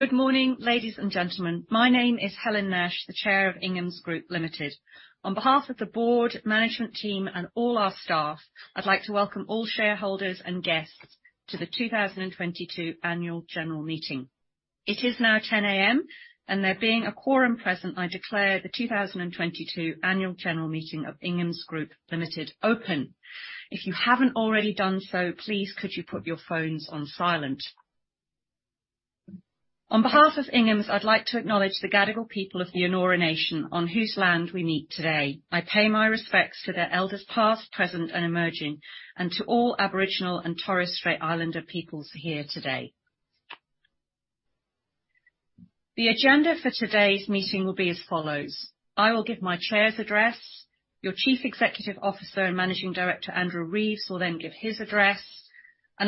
Good morning, ladies and gentlemen. My name is Helen Nash, the Chair of Inghams Group Limited. On behalf of the board, management team, and all our staff, I'd like to welcome all shareholders and guests to the 2022 annual general meeting. It is now 10:00 A.M., and there being a quorum present, I declare the 2022 annual general meeting of Inghams Group Limited open. If you haven't already done so, please could you put your phones on silent. On behalf of Inghams, I'd like to acknowledge the Gadigal people of the Eora nation, on whose land we meet today. I pay my respects to their elders past, present, and emerging, and to all Aboriginal and Torres Strait Islander peoples here today. The agenda for today's meeting will be as follows. I will give my Chair's address. Your Chief Executive Officer and Managing Director, Andrew Reeves, will then give his address.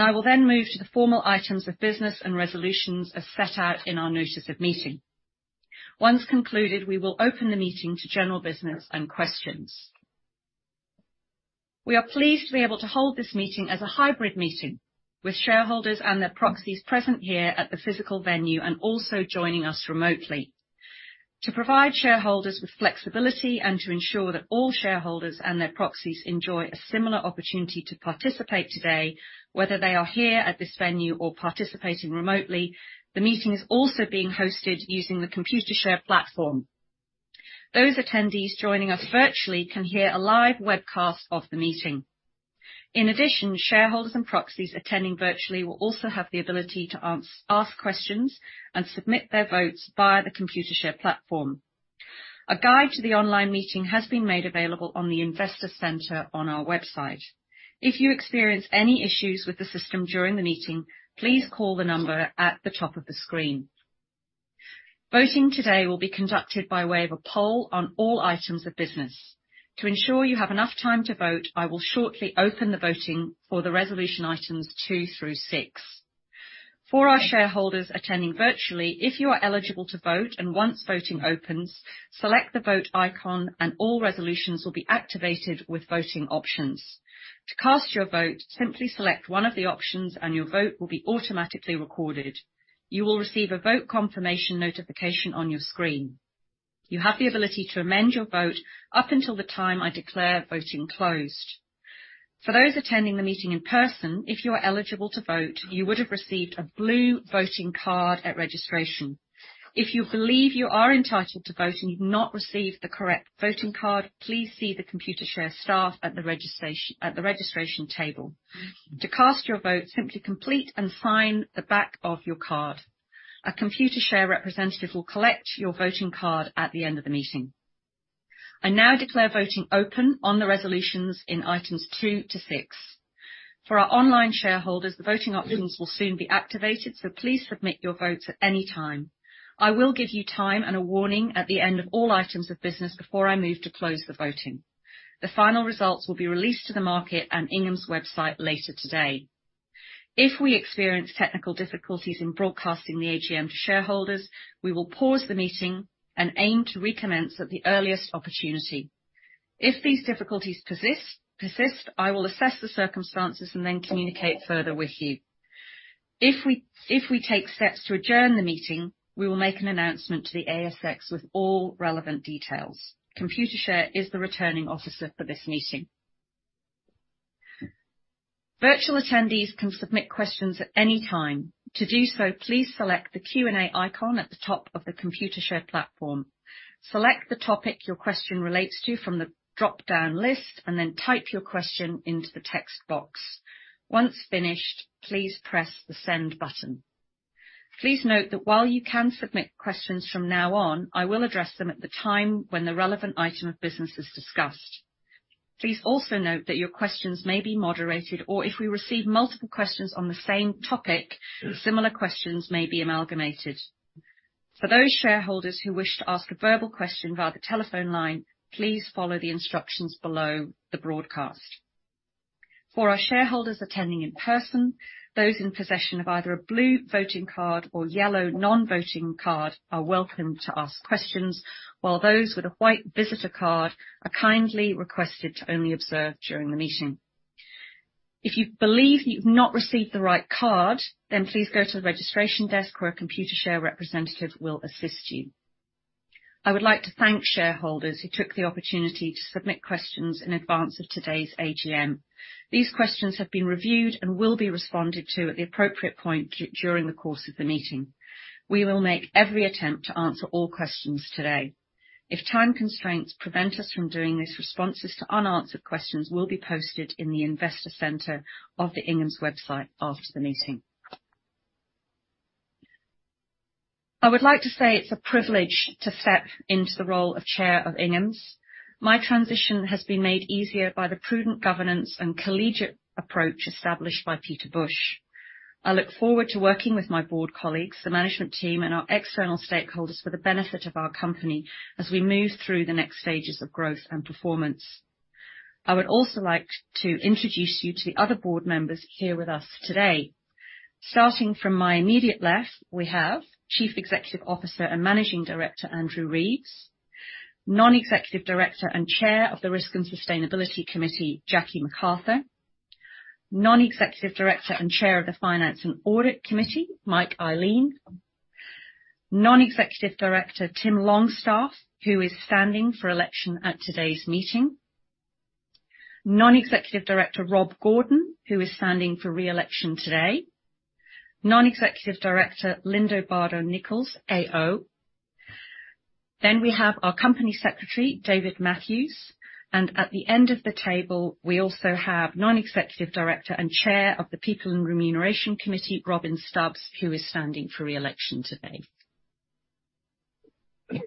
I will then move to the formal items of business and resolutions as set out in our notice of meeting. Once concluded, we will open the meeting to general business and questions. We are pleased to be able to hold this meeting as a hybrid meeting, with shareholders and their proxies present here at the physical venue and also joining us remotely. To provide shareholders with flexibility and to ensure that all shareholders and their proxies enjoy a similar opportunity to participate today, whether they are here at this venue or participating remotely, the meeting is also being hosted using the Computershare platform. Those attendees joining us virtually can hear a live webcast of the meeting. In addition, shareholders and proxies attending virtually will also have the ability to ask questions and submit their votes via the Computershare platform. A guide to the online meeting has been made available on the Investor Center on our website. If you experience any issues with the system during the meeting, please call the number at the top of the screen. Voting today will be conducted by way of a poll on all items of business. To ensure you have enough time to vote, I will shortly open the voting for the resolution items two through six. For our shareholders attending virtually, if you are eligible to vote and once voting opens, select the vote icon and all resolutions will be activated with voting options. To cast your vote, simply select one of the options and your vote will be automatically recorded. You will receive a vote confirmation notification on your screen. You have the ability to amend your vote up until the time I declare voting closed. For those attending the meeting in person, if you are eligible to vote, you would've received a blue voting card at registration. If you believe you are entitled to vote and you've not received the correct voting card, please see the Computershare staff at the registration table. To cast your vote, simply complete and sign the back of your card. A Computershare representative will collect your voting card at the end of the meeting. I now declare voting open on the resolutions in items two to six. For our online shareholders, the voting options will soon be activated. Please submit your votes at any time. I will give you time and a warning at the end of all items of business before I move to close the voting. The final results will be released to the market and Inghams website later today. If we experience technical difficulties in broadcasting the AGM to shareholders, we will pause the meeting and aim to recommence at the earliest opportunity. If these difficulties persist, I will assess the circumstances and then communicate further with you. If we take steps to adjourn the meeting, we will make an announcement to the ASX with all relevant details. Computershare is the returning officer for this meeting. Virtual attendees can submit questions at any time. To do so, please select the Q&A icon at the top of the Computershare platform. Select the topic your question relates to from the dropdown list, and then type your question into the text box. Once finished, please press the Send button. Please note that while you can submit questions from now on, I will address them at the time when the relevant item of business is discussed. Please also note that your questions may be moderated, or if we receive multiple questions on the same topic, similar questions may be amalgamated. For those shareholders who wish to ask a verbal question via the telephone line, please follow the instructions below the broadcast. For our shareholders attending in person, those in possession of either a blue voting card or yellow non-voting card are welcome to ask questions, while those with a white visitor card are kindly requested to only observe during the meeting. If you believe you've not received the right card, then please go to the registration desk, where a Computershare representative will assist you. I would like to thank shareholders who took the opportunity to submit questions in advance of today's AGM. These questions have been reviewed and will be responded to at the appropriate point during the course of the meeting. We will make every attempt to answer all questions today. If time constraints prevent us from doing this, responses to unanswered questions will be posted in the Investor Center of the Inghams website after the meeting. I would like to say it's a privilege to step into the role of Chair of Inghams. My transition has been made easier by the prudent governance and collegiate approach established by Peter Bush. I look forward to working with my Board colleagues, the management team, and our external stakeholders for the benefit of our company as we move through the next stages of growth and performance. I would also like to introduce you to the other Board members here with us today. Starting from my immediate left, we have Chief Executive Officer and Managing Director, Andrew Reeves. Non-executive director and Chair of the Risk and Sustainability Committee, Jackie McArthur. Non-executive director and Chair of the Finance and Audit Committee, Michael Ihlein. Non-executive director, Tim Longstaff, who is standing for election at today's meeting. Non-executive director, Rob Gordon, who is standing for re-election today. Non-executive director, Linda Bardo Nicholls AO. We have our Company Secretary, David Matthews, and at the end of the table, we also have non-executive director and Chair of the People and Remuneration Committee, Robyn Stubbs, who is standing for re-election today.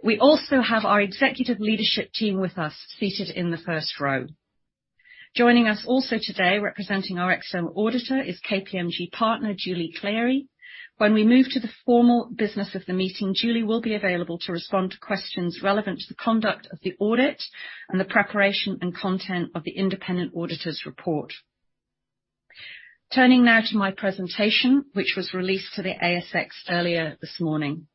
We also have our executive leadership team with us seated in the first row. Joining us also today representing our external auditor is KPMG partner Julie Cleary. When we move to the formal business of the meeting, Julie will be available to respond to questions relevant to the conduct of the audit and the preparation and content of the independent auditor's report. Turning now to my presentation, which was released to the ASX earlier this morning.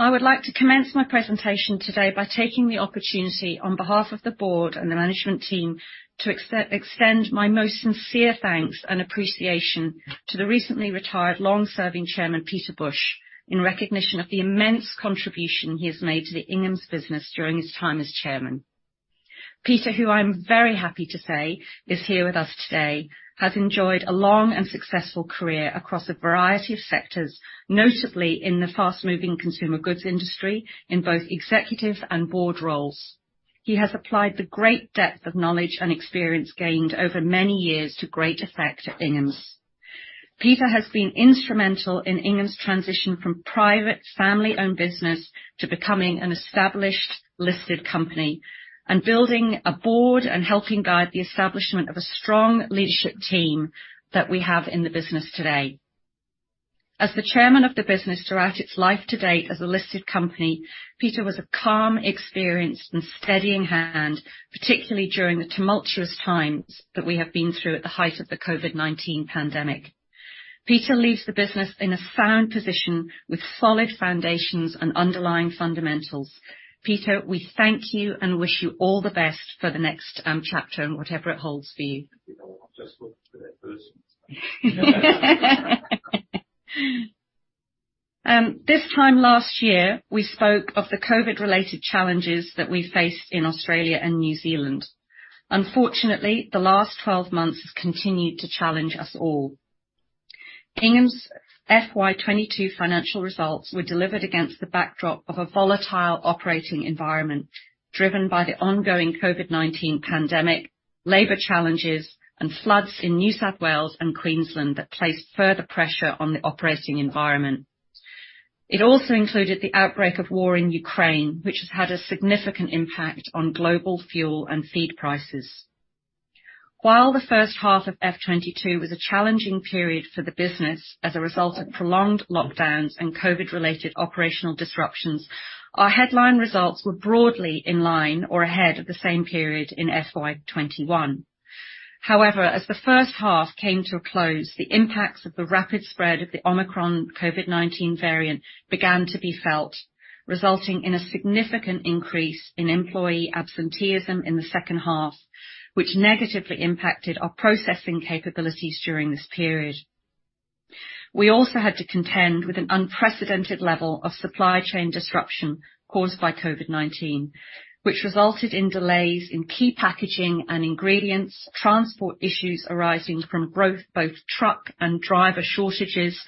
I would like to commence my presentation today by taking the opportunity on behalf of the Board and the management team to extend my most sincere thanks and appreciation to the recently retired long-serving Chairman, Peter Bush, in recognition of the immense contribution he has made to the Inghams business during his time as Chairman. Peter, who I'm very happy to say is here with us today, has enjoyed a long and successful career across a variety of sectors, notably in the fast-moving consumer goods industry in both executive and Board roles. He has applied the great depth of knowledge and experience gained over many years to great effect at Inghams. Peter has been instrumental in Ingham's transition from private family-owned business to becoming an established listed company and building a Board and helping guide the establishment of a strong leadership team that we have in the business today. As the Chairman of the business throughout its life to date as a listed company, Peter was a calm, experienced and steadying hand, particularly during the tumultuous times that we have been through at the height of the COVID-19 pandemic. Peter leaves the business in a sound position with solid foundations and underlying fundamentals. Peter, we thank you and wish you all the best for the next chapter and whatever it holds for you. You know what? I'm just looking for that person. This time last year, we spoke of the COVID-related challenges that we faced in Australia and New Zealand. Unfortunately, the last 12 months has continued to challenge us all. Ingham's FY 2022 financial results were delivered against the backdrop of a volatile operating environment driven by the ongoing COVID-19 pandemic, labor challenges and floods in New South Wales and Queensland that placed further pressure on the operating environment. It also included the outbreak of war in Ukraine, which has had a significant impact on global fuel and feed prices. While the first half of FY 2022 was a challenging period for the business as a result of prolonged lockdowns and COVID-related operational disruptions, our headline results were broadly in line or ahead of the same period in FY 2021. However, as the first half came to a close, the impacts of the rapid spread of the Omicron COVID-19 variant began to be felt, resulting in a significant increase in employee absenteeism in the second half, which negatively impacted our processing capabilities during this period. We also had to contend with an unprecedented level of supply chain disruption caused by COVID-19, which resulted in delays in key packaging and ingredients, transport issues arising from both truck and driver shortages,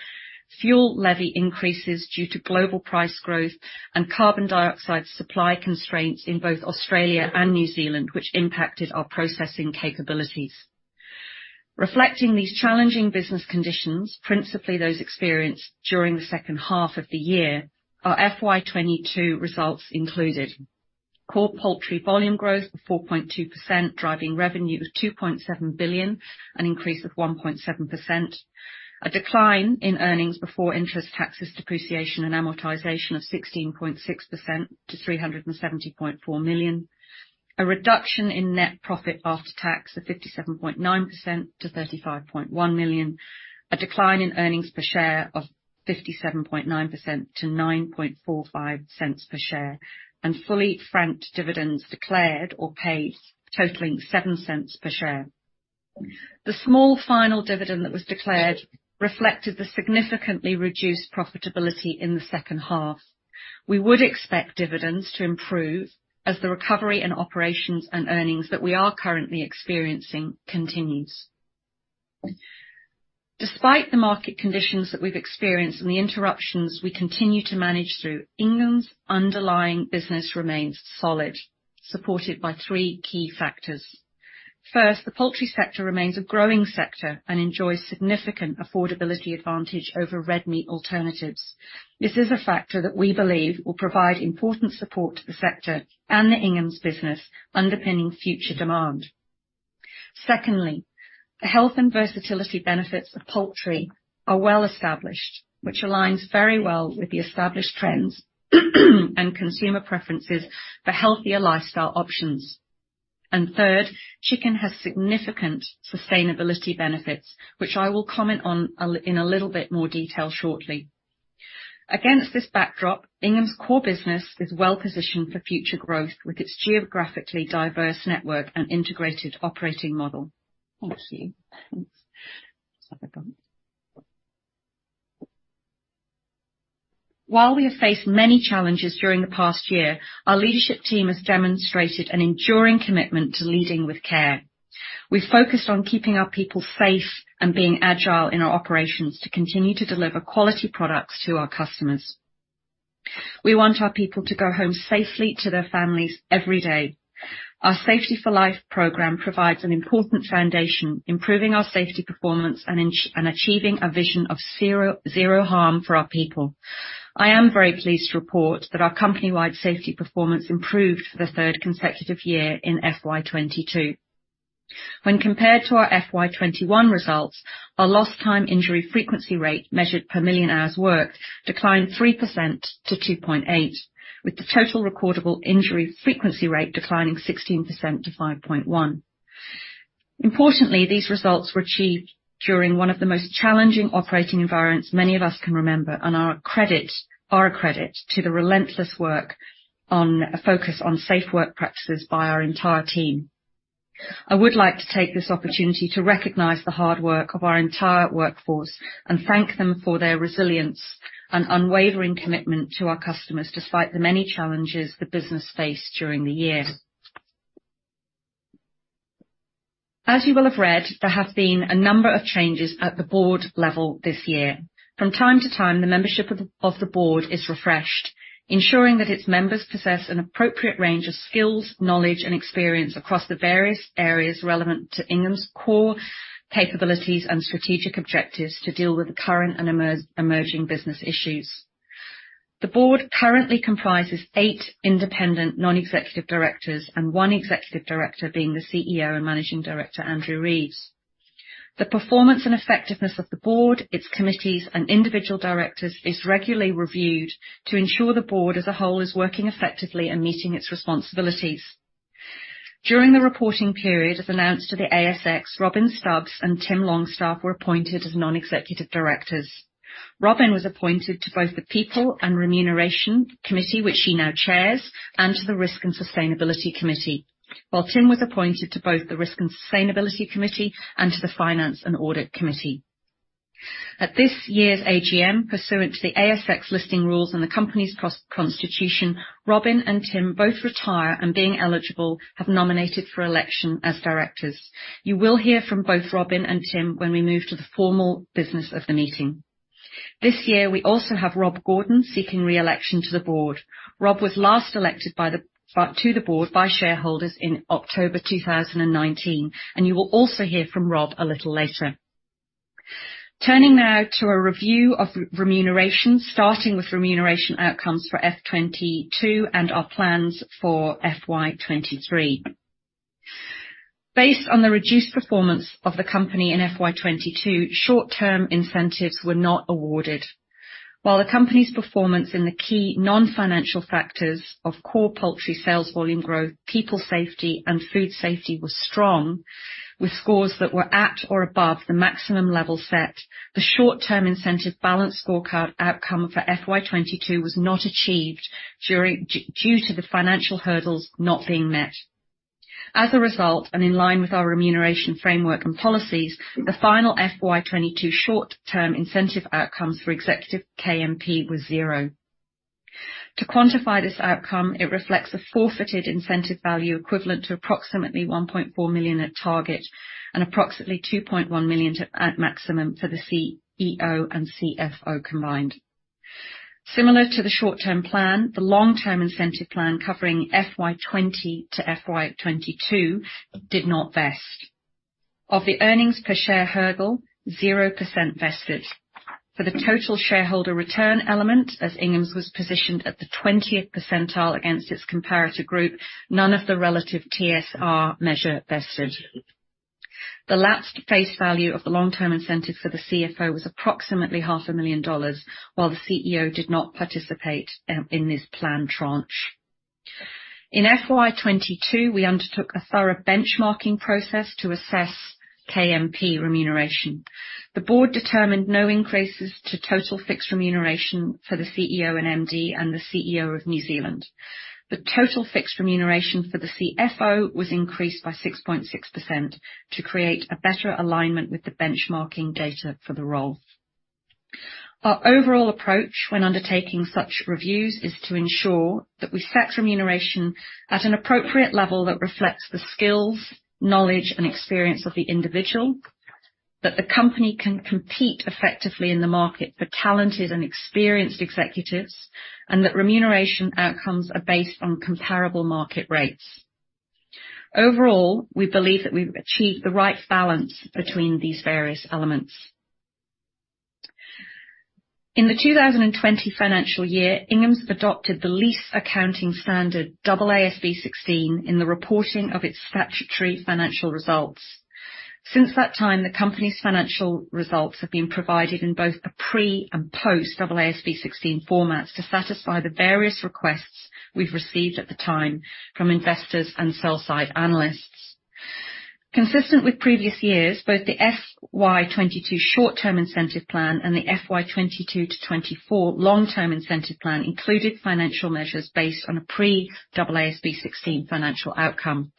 fuel levy increases due to global price growth and carbon dioxide supply constraints in both Australia and New Zealand which impacted our processing capabilities. Reflecting these challenging business conditions, principally those experienced during the second half of the year, our FY 2022 results included core poultry volume growth of 4.2%, driving revenue of 2.7 billion, an increase of 1.7%, a decline in earnings before interest, taxes, depreciation and amortization of 16.6% to 370.4 million, a reduction in net profit after tax of 57.9% to 35.1 million, a decline in earnings per share of 57.9% to 0.0945 per share and fully franked dividends declared or paid totaling 0.07 per share. The small final dividend that was declared reflected the significantly reduced profitability in the second half. We would expect dividends to improve as the recovery in operations and earnings that we are currently experiencing continues. Despite the market conditions that we've experienced and the interruptions we continue to manage through, Inghams' underlying business remains solid, supported by three key factors. First, the poultry sector remains a growing sector and enjoys significant affordability advantage over red meat alternatives. This is a factor that we believe will provide important support to the sector and the Inghams business underpinning future demand. Secondly, the health and versatility benefits of poultry are well established, which aligns very well with the established trends and consumer preferences for healthier lifestyle options. Third, chicken has significant sustainability benefits, which I will comment on in a little bit more detail shortly. Against this backdrop, Inghams' core business is well-positioned for future growth with its geographically diverse network and integrated operating model. Thank you. While we have faced many challenges during the past year, our leadership team has demonstrated an enduring commitment to leading with care. We focused on keeping our people safe and being agile in our operations to continue to deliver quality products to our customers. We want our people to go home safely to their families every day. Our Safety for Life program provides an important foundation, improving our safety performance, and achieving a vision of zero harm for our people. I am very pleased to report that our company-wide safety performance improved for the third consecutive year in FY 2022. When compared to our FY 2021 results, our lost time injury frequency rate measured per million hours worked declined 3% to 2.8, with the total recordable injury frequency rate declining 16% to 5.1. Importantly, these results were achieved during one of the most challenging operating environments many of us can remember, and are a credit to the relentless work on a focus on safe work practices by our entire team. I would like to take this opportunity to recognize the hard work of our entire workforce and thank them for their resilience and unwavering commitment to our customers despite the many challenges the business faced during the year. As you will have read, there have been a number of changes at the board level this year. From time to time, the membership of the board is refreshed, ensuring that its members possess an appropriate range of skills, knowledge, and experience across the various areas relevant to Inghams' core capabilities and strategic objectives to deal with the current and emerging business issues. The board currently comprises eight independent non-executive directors and one executive director, being the CEO and Managing Director, Andrew Reeves. The performance and effectiveness of the board, its committees, and individual directors is regularly reviewed to ensure the board as a whole is working effectively and meeting its responsibilities. During the reporting period, as announced to the ASX, Robyn Stubbs and Tim Longstaff were appointed as non-executive directors. Robyn was appointed to both the People and Remuneration Committee, which she now chairs, and to the Risk and Sustainability Committee. Tim was appointed to both the Risk and Sustainability Committee and to the Finance and Audit Committee. At this year's AGM, pursuant to the ASX Listing Rules and the company's constitution, Robyn and Tim both retire, and being eligible, have nominated for election as directors. You will hear from both Robyn and Tim when we move to the formal business of the meeting. This year, we also have Rob Gordon seeking re-election to the board. Rob was last elected to the board by shareholders in October 2019, and you will also hear from Rob a little later. Turning now to a review of remuneration, starting with remuneration outcomes for FY 2022 and our plans for FY 2023. Based on the reduced performance of the company in FY 2022, short-term incentives were not awarded. While the company's performance in the key non-financial factors of core poultry sales volume growth, people safety, and food safety was strong, with scores that were at or above the maximum level set, the short-term incentive balanced scorecard outcome for FY 2022 was not achieved due to the financial hurdles not being met. As a result, and in line with our remuneration framework and policies, the final FY 2022 short-term incentive outcomes for executive KMP was zero. To quantify this outcome, it reflects a forfeited incentive value equivalent to approximately 1.4 million at target and approximately 2.1 million at maximum for the CEO and CFO combined. Similar to the short-term plan, the long-term incentive plan covering FY 2020 to FY 2022 did not vest. Of the earnings per share hurdle, 0% vested. For the total shareholder return element, as Inghams was positioned at the 20th percentile against its comparator group, none of the relative TSR measure vested. The lapsed face value of the long-term incentive for the CFO was approximately half a million dollars, while the CEO did not participate in this plan tranche. In FY 2022, we undertook a thorough benchmarking process to assess KMP remuneration. The board determined no increases to total fixed remuneration for the CEO and MD and the CEO of New Zealand. The total fixed remuneration for the CFO was increased by 6.6% to create a better alignment with the benchmarking data for the role. Our overall approach when undertaking such reviews is to ensure that we set remuneration at an appropriate level that reflects the skills, knowledge, and experience of the individual, that the company can compete effectively in the market for talented and experienced executives, and that remuneration outcomes are based on comparable market rates. Overall, we believe that we've achieved the right balance between these various elements. In the 2020 financial year, Inghams adopted the lease accounting standard AASB 16 in the reporting of its statutory financial results. Since that time, the company's financial results have been provided in both a pre and post AASB 16 formats to satisfy the various requests we've received at the time from investors and sell-side analysts. Consistent with previous years, both the FY 2022 short-term incentive plan and the FY 2022 to 2024 long-term incentive plan included financial measures based on a pre AASB 16 financial outcome.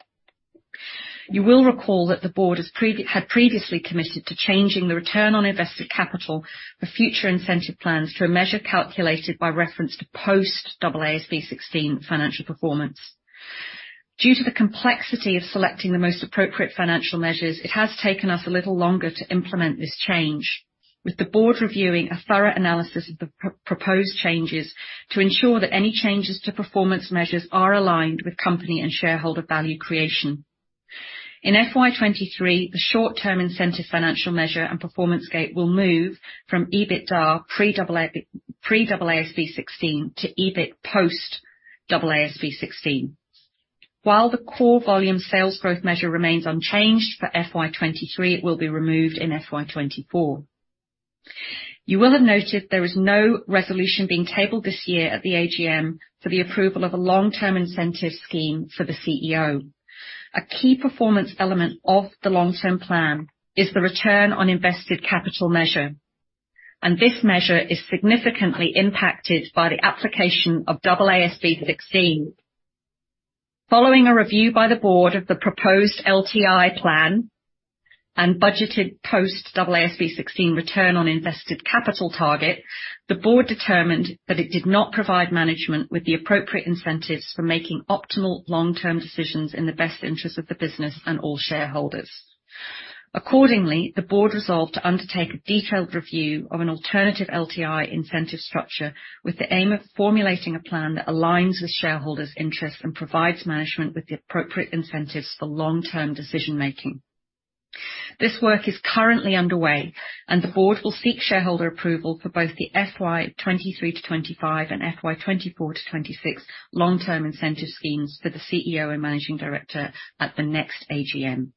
You will recall that the board had previously committed to changing the return on invested capital for future incentive plans to a measure calculated by reference to post AASB 16 financial performance. Due to the complexity of selecting the most appropriate financial measures, it has taken us a little longer to implement this change. With the board reviewing a thorough analysis of the proposed changes to ensure that any changes to performance measures are aligned with company and shareholder value creation. In FY 2023, the short-term incentive financial measure and performance gate will move from EBITDA pre AASB 16 to EBIT post AASB 16. While the core volume sales growth measure remains unchanged for FY 2023, it will be removed in FY 2024. You will have noticed there is no resolution being tabled this year at the AGM for the approval of a long-term incentive scheme for the CEO. A key performance element of the long-term plan is the return on invested capital measure, and this measure is significantly impacted by the application of AASB 16. Following a review by the board of the proposed LTI plan and budgeted post AASB 16 return on invested capital target, the board determined that it did not provide management with the appropriate incentives for making optimal long-term decisions in the best interest of the business and all shareholders. Accordingly, the board resolved to undertake a detailed review of an alternative LTI incentive structure with the aim of formulating a plan that aligns with shareholders' interests and provides management with the appropriate incentives for long-term decision-making. This work is currently underway, and the board will seek shareholder approval for both the FY 2023 to 2025 and FY 2024 to 2026 long-term incentive schemes for the CEO and managing director at the next AGM.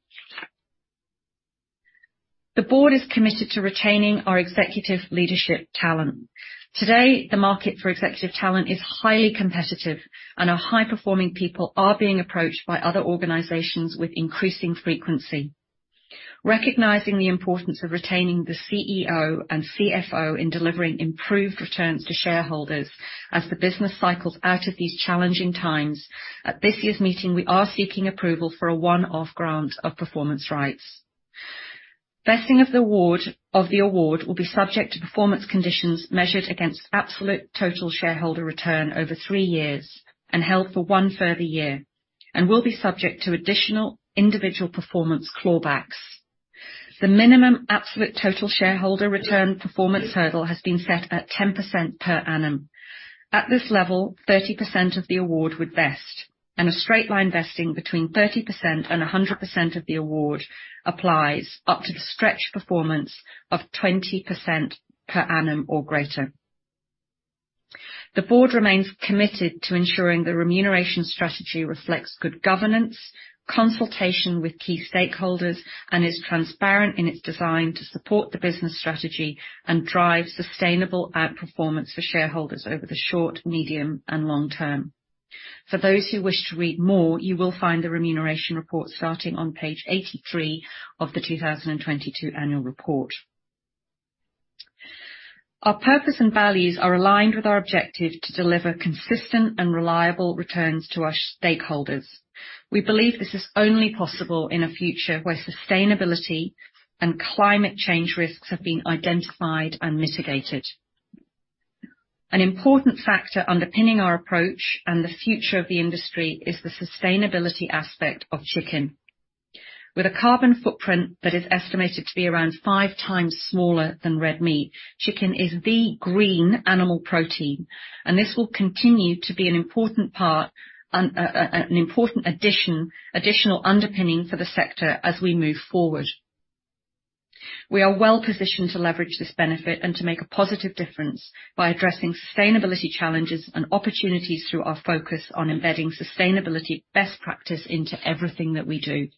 The board is committed to retaining our executive leadership talent. Today, the market for executive talent is highly competitive, and our high-performing people are being approached by other organizations with increasing frequency. Recognizing the importance of retaining the CEO and CFO in delivering improved returns to shareholders as the business cycles out of these challenging times, at this year's meeting, we are seeking approval for a one-off grant of performance rights. Vesting of the award will be subject to performance conditions measured against absolute total shareholder return over three years and held for one further year, and will be subject to additional individual performance clawbacks. The minimum absolute total shareholder return performance hurdle has been set at 10% per annum. At this level, 30% of the award would vest, a straight-line vesting between 30% and 100% of the award applies up to the stretch performance of 20% per annum or greater. The board remains committed to ensuring the remuneration strategy reflects good governance, consultation with key stakeholders, and is transparent in its design to support the business strategy and drive sustainable outperformance for shareholders over the short, medium, and long term. For those who wish to read more, you will find the remuneration report starting on page 83 of the 2022 annual report. Our purpose and values are aligned with our objective to deliver consistent and reliable returns to our stakeholders. We believe this is only possible in a future where sustainability and climate change risks have been identified and mitigated. An important factor underpinning our approach and the future of the industry is the sustainability aspect of chicken. With a carbon footprint that is estimated to be around five times smaller than red meat, chicken is the green animal protein, this will continue to be an important additional underpinning for the sector as we move forward. We are well-positioned to leverage this benefit and to make a positive difference by addressing sustainability challenges and opportunities through our focus on embedding sustainability best practice into everything that we do.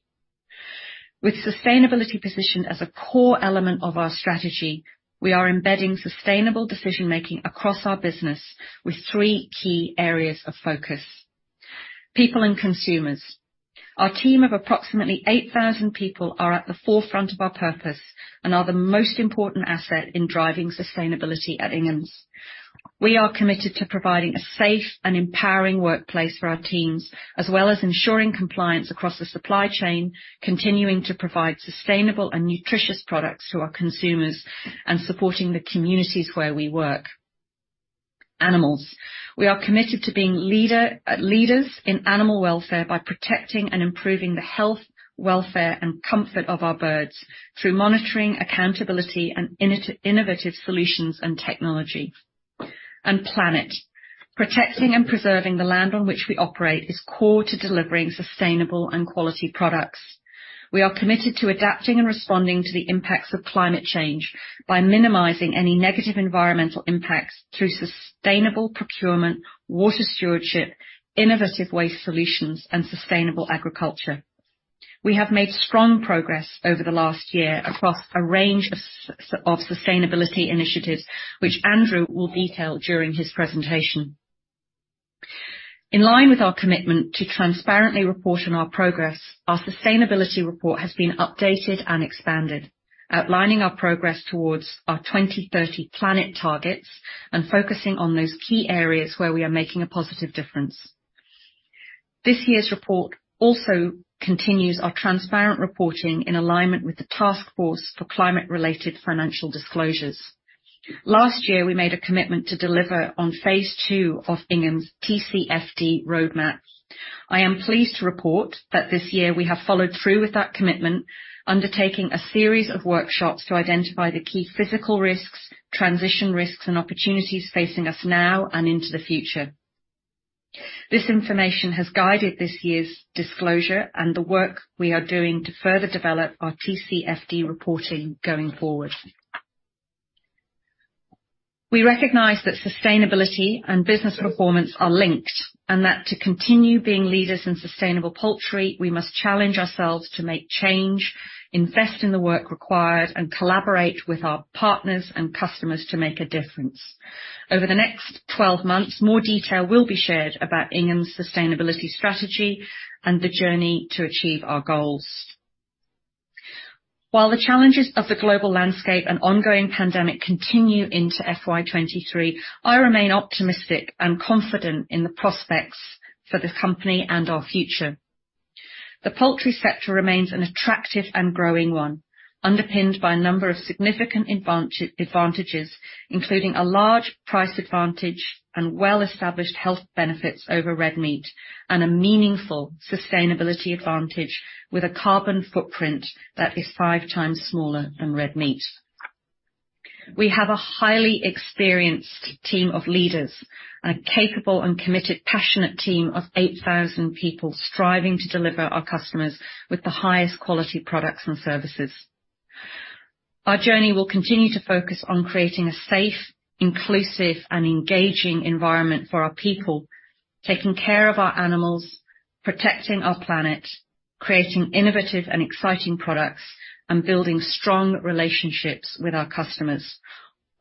With sustainability positioned as a core element of our strategy, we are embedding sustainable decision-making across our business with three key areas of focus. People and consumers. Our team of approximately 8,000 people are at the forefront of our purpose and are the most important asset in driving sustainability at Inghams. We are committed to providing a safe and empowering workplace for our teams, as well as ensuring compliance across the supply chain, continuing to provide sustainable and nutritious products to our consumers, and supporting the communities where we work. Animals. We are committed to being leaders in animal welfare by protecting and improving the health, welfare, and comfort of our birds through monitoring, accountability, and innovative solutions and technology. Planet. Protecting and preserving the land on which we operate is core to delivering sustainable and quality products. We are committed to adapting and responding to the impacts of climate change by minimizing any negative environmental impacts through sustainable procurement, water stewardship, innovative waste solutions, and sustainable agriculture. We have made strong progress over the last year across a range of sustainability initiatives, which Andrew will detail during his presentation. In line with our commitment to transparently report on our progress, our sustainability report has been updated and expanded, outlining our progress towards our 2030 planet targets and focusing on those key areas where we are making a positive difference. This year's report also continues our transparent reporting in alignment with the Task Force for Climate-related Financial Disclosures. Last year, we made a commitment to deliver on phase 2 of Ingham's TCFD roadmap. I am pleased to report that this year we have followed through with that commitment, undertaking a series of workshops to identify the key physical risks, transition risks, and opportunities facing us now and into the future. This information has guided this year's disclosure and the work we are doing to further develop our TCFD reporting going forward. We recognize that sustainability and business performance are linked, and that to continue being leaders in sustainable poultry, we must challenge ourselves to make change, invest in the work required, and collaborate with our partners and customers to make a difference. Over the next 12 months, more detail will be shared about Inghams' sustainability strategy and the journey to achieve our goals. While the challenges of the global landscape and ongoing pandemic continue into FY 2023, I remain optimistic and confident in the prospects for the company and our future. The poultry sector remains an attractive and growing one, underpinned by a number of significant advantages, including a large price advantage and well-established health benefits over red meat and a meaningful sustainability advantage with a carbon footprint that is five times smaller than red meat. We have a highly experienced team of leaders and a capable and committed passionate team of 8,000 people striving to deliver our customers with the highest quality products and services. Our journey will continue to focus on creating a safe, inclusive, and engaging environment for our people, taking care of our animals, protecting our planet, creating innovative and exciting products, and building strong relationships with our customers,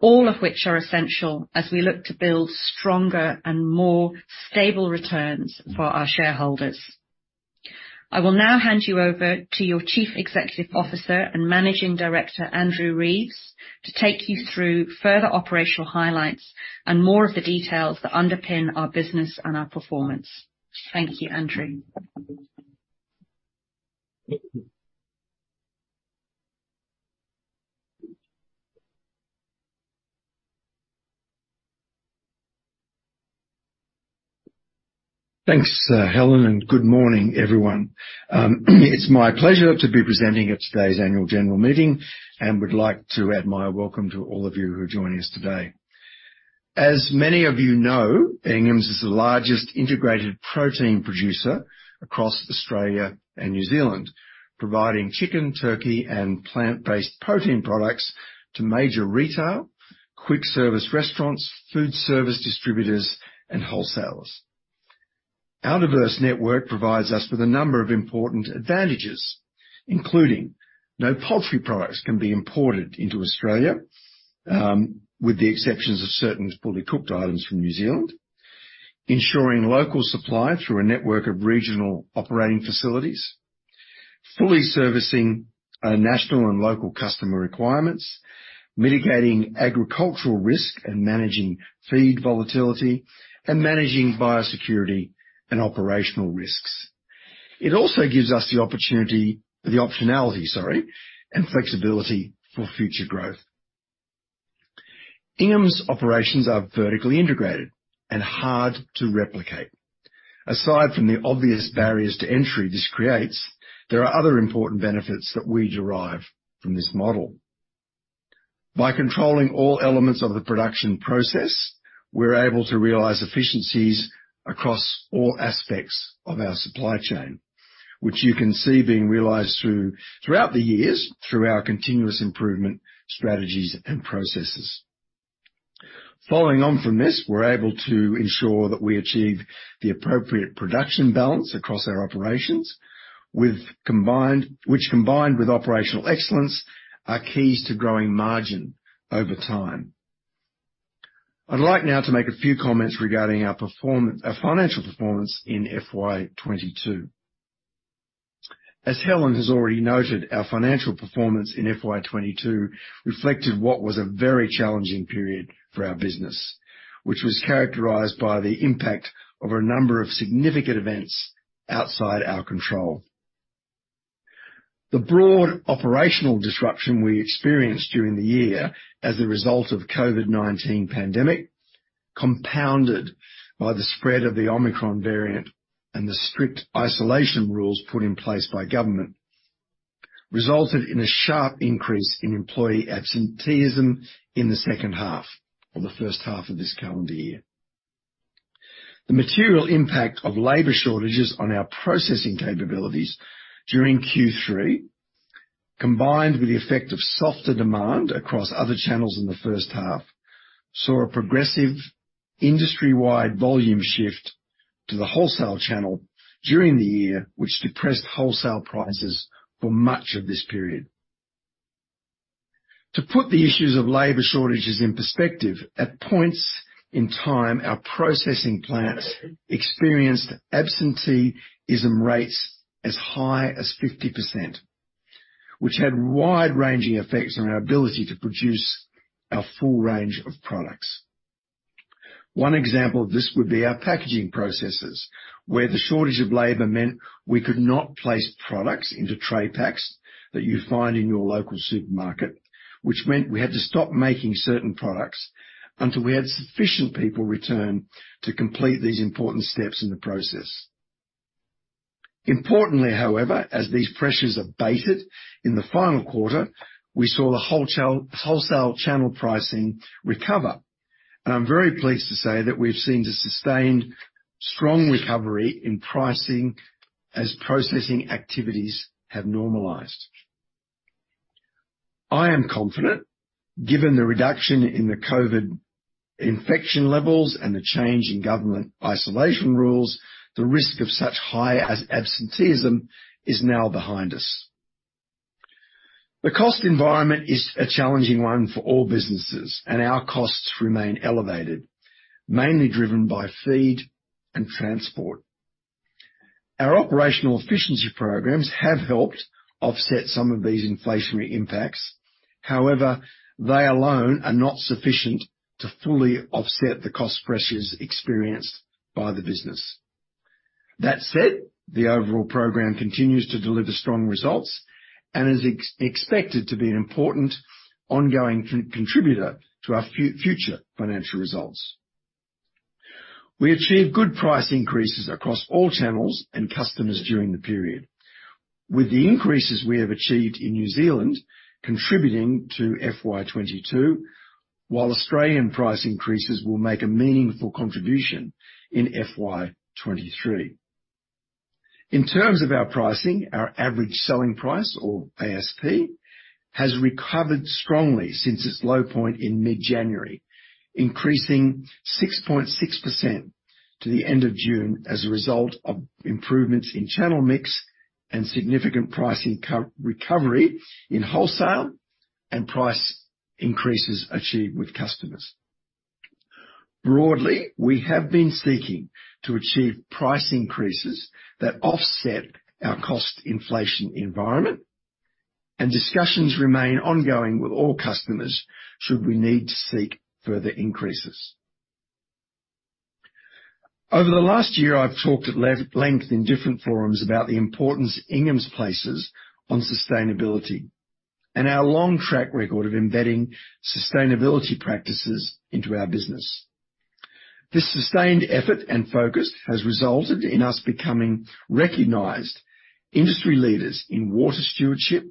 all of which are essential as we look to build stronger and more stable returns for our shareholders. I will now hand you over to your Chief Executive Officer and Managing Director, Andrew Reeves, to take you through further operational highlights and more of the details that underpin our business and our performance. Thank you, Andrew. Thanks, Helen, and good morning, everyone. It's my pleasure to be presenting at today's annual general meeting and would like to add my welcome to all of you who are joining us today. As many of you know, Inghams is the largest integrated protein producer across Australia and New Zealand, providing chicken, turkey, and plant-based protein products to major retail, quick service restaurants, food service distributors, and wholesalers. Our diverse network provides us with a number of important advantages, including no poultry products can be imported into Australia, with the exceptions of certain fully cooked items from New Zealand, ensuring local supply through a network of regional operating facilities, fully servicing our national and local customer requirements, mitigating agricultural risk and managing feed volatility, and managing biosecurity and operational risks. It also gives us the optionality, sorry, and flexibility for future growth. Inghams' operations are vertically integrated and hard to replicate. Aside from the obvious barriers to entry this creates, there are other important benefits that we derive from this model. By controlling all elements of the production process, we're able to realize efficiencies across all aspects of our supply chain, which you can see being realized throughout the years through our continuous improvement strategies and processes. Following on from this, we're able to ensure that we achieve the appropriate production balance across our operations, which combined with operational excellence, are keys to growing margin over time. I'd like now to make a few comments regarding our financial performance in FY 2022. As Helen has already noted, our financial performance in FY 2022 reflected what was a very challenging period for our business, which was characterized by the impact of a number of significant events outside our control. The broad operational disruption we experienced during the year as a result of COVID-19 pandemic, compounded by the spread of the Omicron variant and the strict isolation rules put in place by government, resulted in a sharp increase in employee absenteeism in the second half or the first half of this calendar year. The material impact of labor shortages on our processing capabilities during Q3, combined with the effect of softer demand across other channels in the first half, saw a progressive industry-wide volume shift to the wholesale channel during the year, which depressed wholesale prices for much of this period. To put the issues of labor shortages in perspective, at points in time, our processing plants experienced absenteeism rates as high as 50%, which had wide-ranging effects on our ability to produce our full range of products. One example of this would be our packaging processes, where the shortage of labor meant we could not place products into tray packs that you find in your local supermarket, which meant we had to stop making certain products until we had sufficient people return to complete these important steps in the process. Importantly, however, as these pressures abated in the final quarter, we saw the wholesale channel pricing recover. I'm very pleased to say that we've seen a sustained strong recovery in pricing as processing activities have normalized. I am confident, given the reduction in the COVID infection levels and the change in government isolation rules, the risk of such high absenteeism is now behind us. The cost environment is a challenging one for all businesses. Our costs remain elevated, mainly driven by feed and transport. Our operational efficiency programs have helped offset some of these inflationary impacts. However, they alone are not sufficient to fully offset the cost pressures experienced by the business. That said, the overall program continues to deliver strong results and is expected to be an important ongoing contributor to our future financial results. We achieved good price increases across all channels and customers during the period. With the increases we have achieved in New Zealand contributing to FY 2022, while Australian price increases will make a meaningful contribution in FY 2023. In terms of our pricing, our average selling price or ASP has recovered strongly since its low point in mid-January, increasing 6.6% to the end of June as a result of improvements in channel mix and significant price recovery in wholesale and price increases achieved with customers. Broadly, we have been seeking to achieve price increases that offset our cost inflation environment. Discussions remain ongoing with all customers should we need to seek further increases. Over the last year, I've talked at length in different forums about the importance Inghams places on sustainability and our long track record of embedding sustainability practices into our business. This sustained effort and focus has resulted in us becoming recognized industry leaders in water stewardship,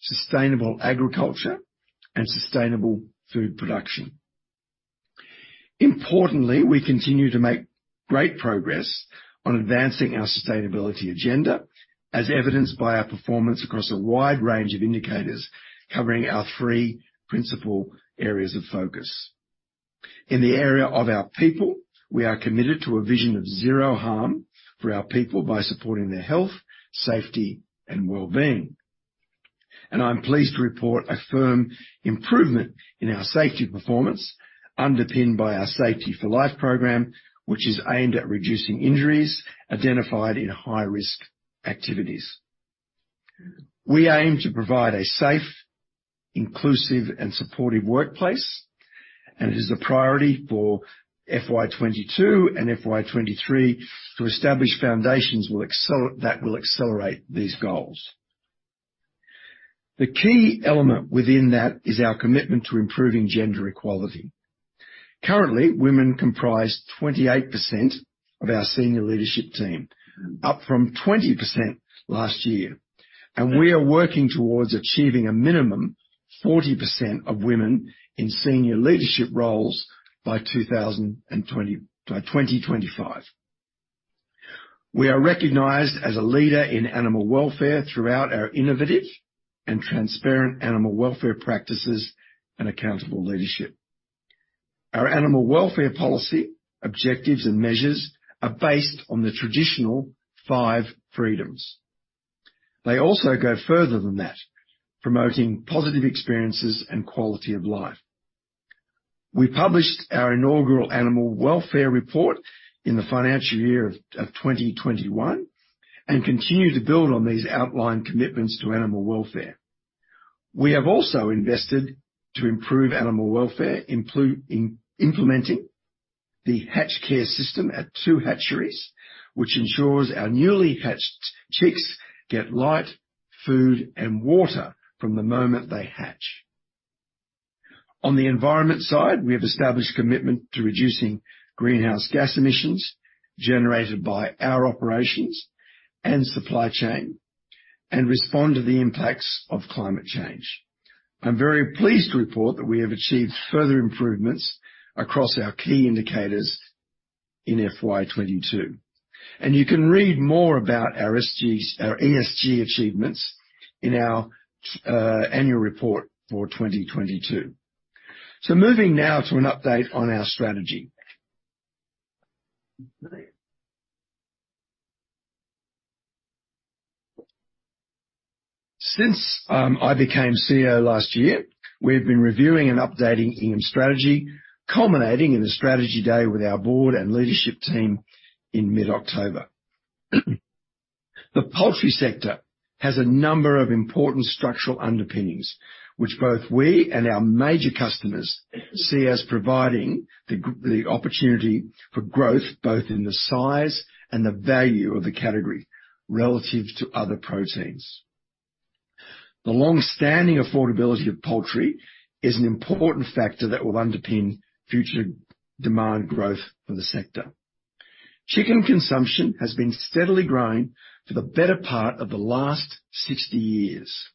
sustainable agriculture, and sustainable food production. Importantly, we continue to make great progress on advancing our sustainability agenda, as evidenced by our performance across a wide range of indicators covering our three principal areas of focus. In the area of our people, we are committed to a vision of zero harm for our people by supporting their health, safety, and well-being. I am pleased to report a firm improvement in our safety performance, underpinned by our Safety for Life program, which is aimed at reducing injuries identified in high-risk activities. We aim to provide a safe, inclusive, and supportive workplace. It is a priority for FY 2022 and FY 2023 to establish foundations that will accelerate these goals. The key element within that is our commitment to improving gender equality. Currently, women comprise 28% of our senior leadership team, up from 20% last year. We are working towards achieving a minimum 40% of women in senior leadership roles by 2025. We are recognized as a leader in animal welfare throughout our innovative and transparent animal welfare practices and accountable leadership. Our animal welfare policy, objectives, and measures are based on the traditional five freedoms. They also go further than that, promoting positive experiences and quality of life. We published our inaugural animal welfare report in the financial year of 2021. We continue to build on these outlined commitments to animal welfare. We have also invested to improve animal welfare, implementing the HatchCare system at two hatcheries, which ensures our newly hatched chicks get light, food, and water from the moment they hatch. On the environment side, we have established commitment to reducing greenhouse gas emissions generated by our operations and supply chain and respond to the impacts of climate change. I am very pleased to report that we have achieved further improvements across our key indicators in FY 2022. You can read more about our ESG achievements in our annual report for 2022. Moving now to an update on our strategy. Since I became CEO last year, we have been reviewing and updating Inghams' strategy, culminating in a strategy day with our board and leadership team in mid-October. The poultry sector has a number of important structural underpinnings, which both we and our major customers see as providing the opportunity for growth, both in the size and the value of the category relative to other proteins. The long-standing affordability of poultry is an important factor that will underpin future demand growth for the sector. Chicken consumption has been steadily growing for the better part of the last 60 years.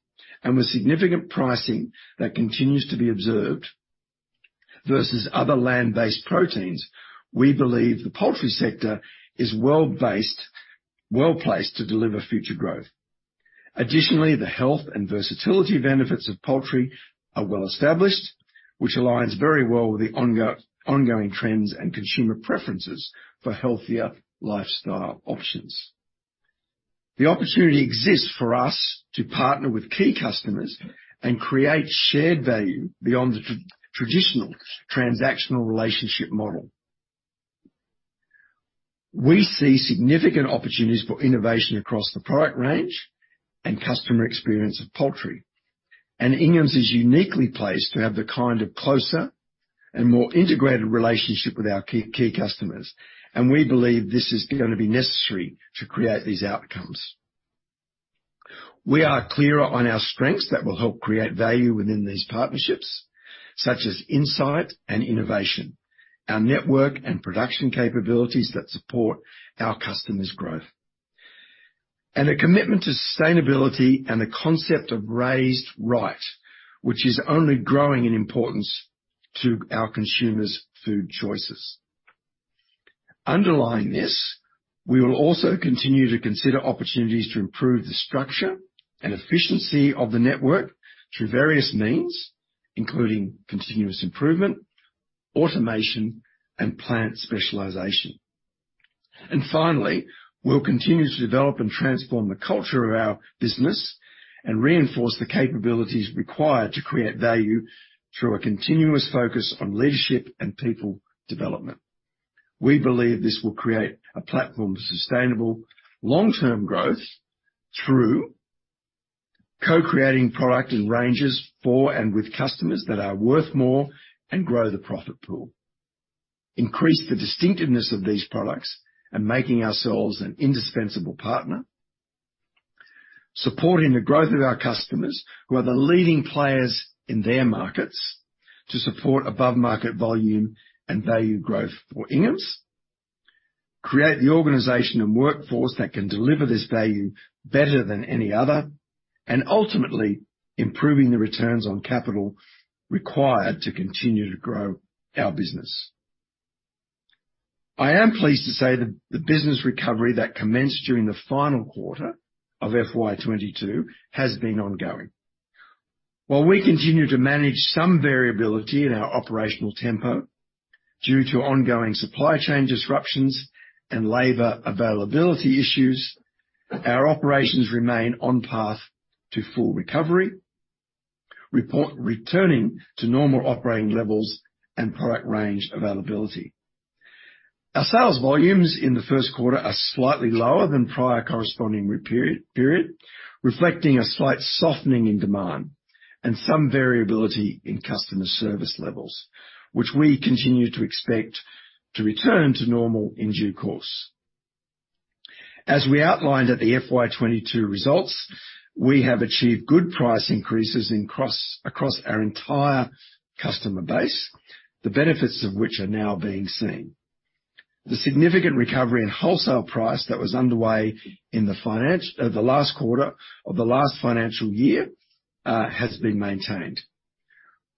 With significant pricing that continues to be observed versus other land-based proteins, we believe the poultry sector is well-placed to deliver future growth. Additionally, the health and versatility benefits of poultry are well-established, which aligns very well with the ongoing trends and consumer preferences for healthier lifestyle options. The opportunity exists for us to partner with key customers and create shared value beyond the traditional transactional relationship model. We see significant opportunities for innovation across the product range and customer experience of poultry. Inghams is uniquely placed to have the kind of closer and more integrated relationship with our key customers. We believe this is going to be necessary to create these outcomes. We are clearer on our strengths that will help create value within these partnerships, such as insight and innovation, our network and production capabilities that support our customers' growth. A commitment to sustainability and the concept of Raised Right, which is only growing in importance to our consumers' food choices. Underlying this, we will also continue to consider opportunities to improve the structure and efficiency of the network through various means, including continuous improvement, automation, and plant specialization. Finally, we will continue to develop and transform the culture of our business and reinforce the capabilities required to create value through a continuous focus on leadership and people development. We believe this will create a platform for sustainable long-term growth through co-creating product and ranges for and with customers that are worth more and grow the profit pool, increase the distinctiveness of these products, and making ourselves an indispensable partner, supporting the growth of our customers, who are the leading players in their markets to support above-market volume and value growth for Inghams, create the organization and workforce that can deliver this value better than any other, and ultimately improving the returns on capital required to continue to grow our business. I am pleased to say that the business recovery that commenced during the final quarter of FY 2022 has been ongoing. While we continue to manage some variability in our operational tempo due to ongoing supply chain disruptions and labor availability issues, our operations remain on path to full recovery, returning to normal operating levels and product range availability. Our sales volumes in the first quarter are slightly lower than prior corresponding period, reflecting a slight softening in demand and some variability in customer service levels, which we continue to expect to return to normal in due course. As we outlined at the FY 2022 results, we have achieved good price increases across our entire customer base, the benefits of which are now being seen. The significant recovery in wholesale price that was underway in the last quarter of the last financial year has been maintained.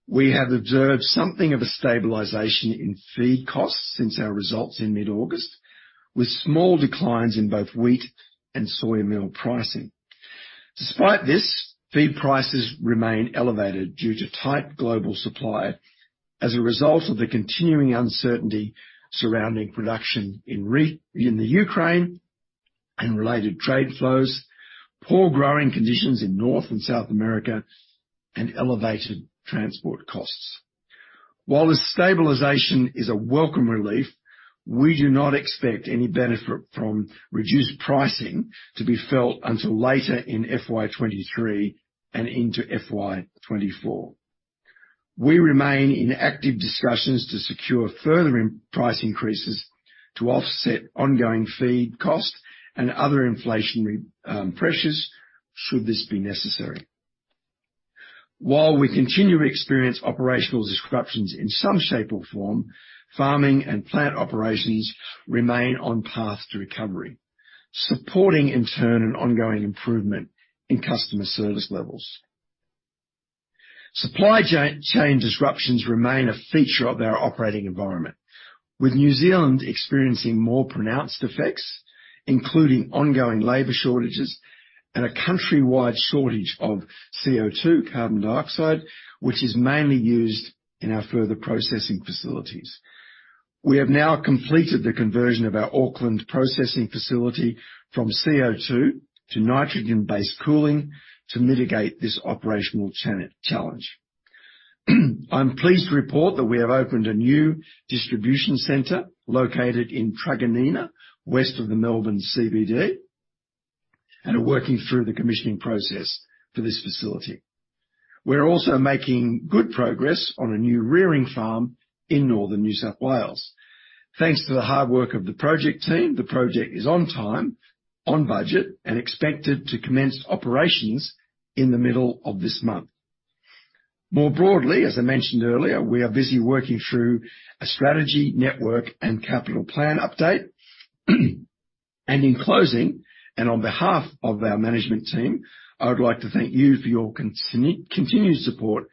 We have observed something of a stabilization in feed costs since our results in mid-August, with small declines in both wheat and soy meal pricing. Despite this, feed prices remain elevated due to tight global supply as a result of the continuing uncertainty surrounding production in the Ukraine and related trade flows, poor growing conditions in North and South America, and elevated transport costs. While the stabilization is a welcome relief, we do not expect any benefit from reduced pricing to be felt until later in FY 2023 and into FY 2024. We remain in active discussions to secure further price increases to offset ongoing feed cost and other inflationary pressures should this be necessary. While we continue to experience operational disruptions in some shape or form, farming and plant operations remain on path to recovery, supporting in turn an ongoing improvement in customer service levels. Supply chain disruptions remain a feature of our operating environment, with New Zealand experiencing more pronounced effects, including ongoing labor shortages and a countrywide shortage of CO2, carbon dioxide, which is mainly used in our further processing facilities. We have now completed the conversion of our Auckland processing facility from CO2 to nitrogen-based cooling to mitigate this operational challenge. I am pleased to report that we have opened a new distribution center located in Truganina, west of the Melbourne CBD, and are working through the commissioning process for this facility. We are also making good progress on a new rearing farm in northern New South Wales. Thanks to the hard work of the project team, the project is on time, on budget, and expected to commence operations in the middle of this month. More broadly, as I mentioned earlier, we are busy working through a strategy, network, and capital plan update. In closing, and on behalf of our management team, I would like to thank you for your continued support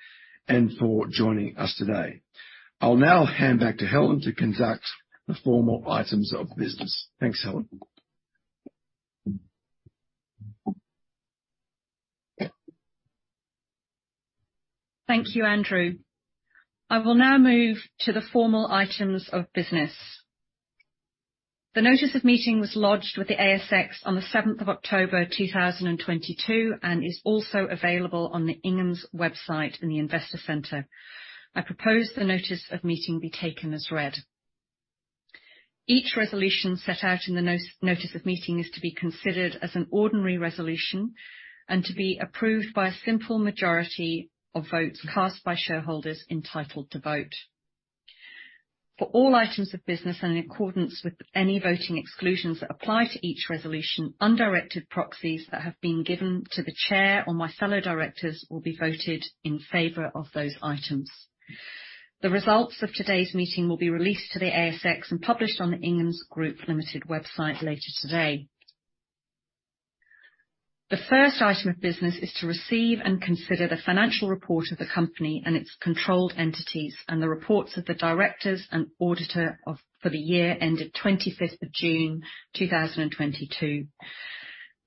and for joining us today. I'll now hand back to Helen to conduct the formal items of business. Thanks, Helen. Thank you, Andrew. I will now move to the formal items of business. The notice of meeting was lodged with the ASX on the 7th of October, 2022, and is also available on the Inghams website in the Investor Centre. I propose the notice of meeting be taken as read. Each resolution set out in the notice of meeting is to be considered as an ordinary resolution and to be approved by a simple majority of votes cast by shareholders entitled to vote. For all items of business and in accordance with any voting exclusions that apply to each resolution, undirected proxies that have been given to the chair or my fellow directors will be voted in favor of those items. The results of today's meeting will be released to the ASX and published on the Inghams Group Limited website later today. The first item of business is to receive and consider the financial report of the company and its controlled entities and the reports of the directors and auditor for the year ended 25th of June 2022.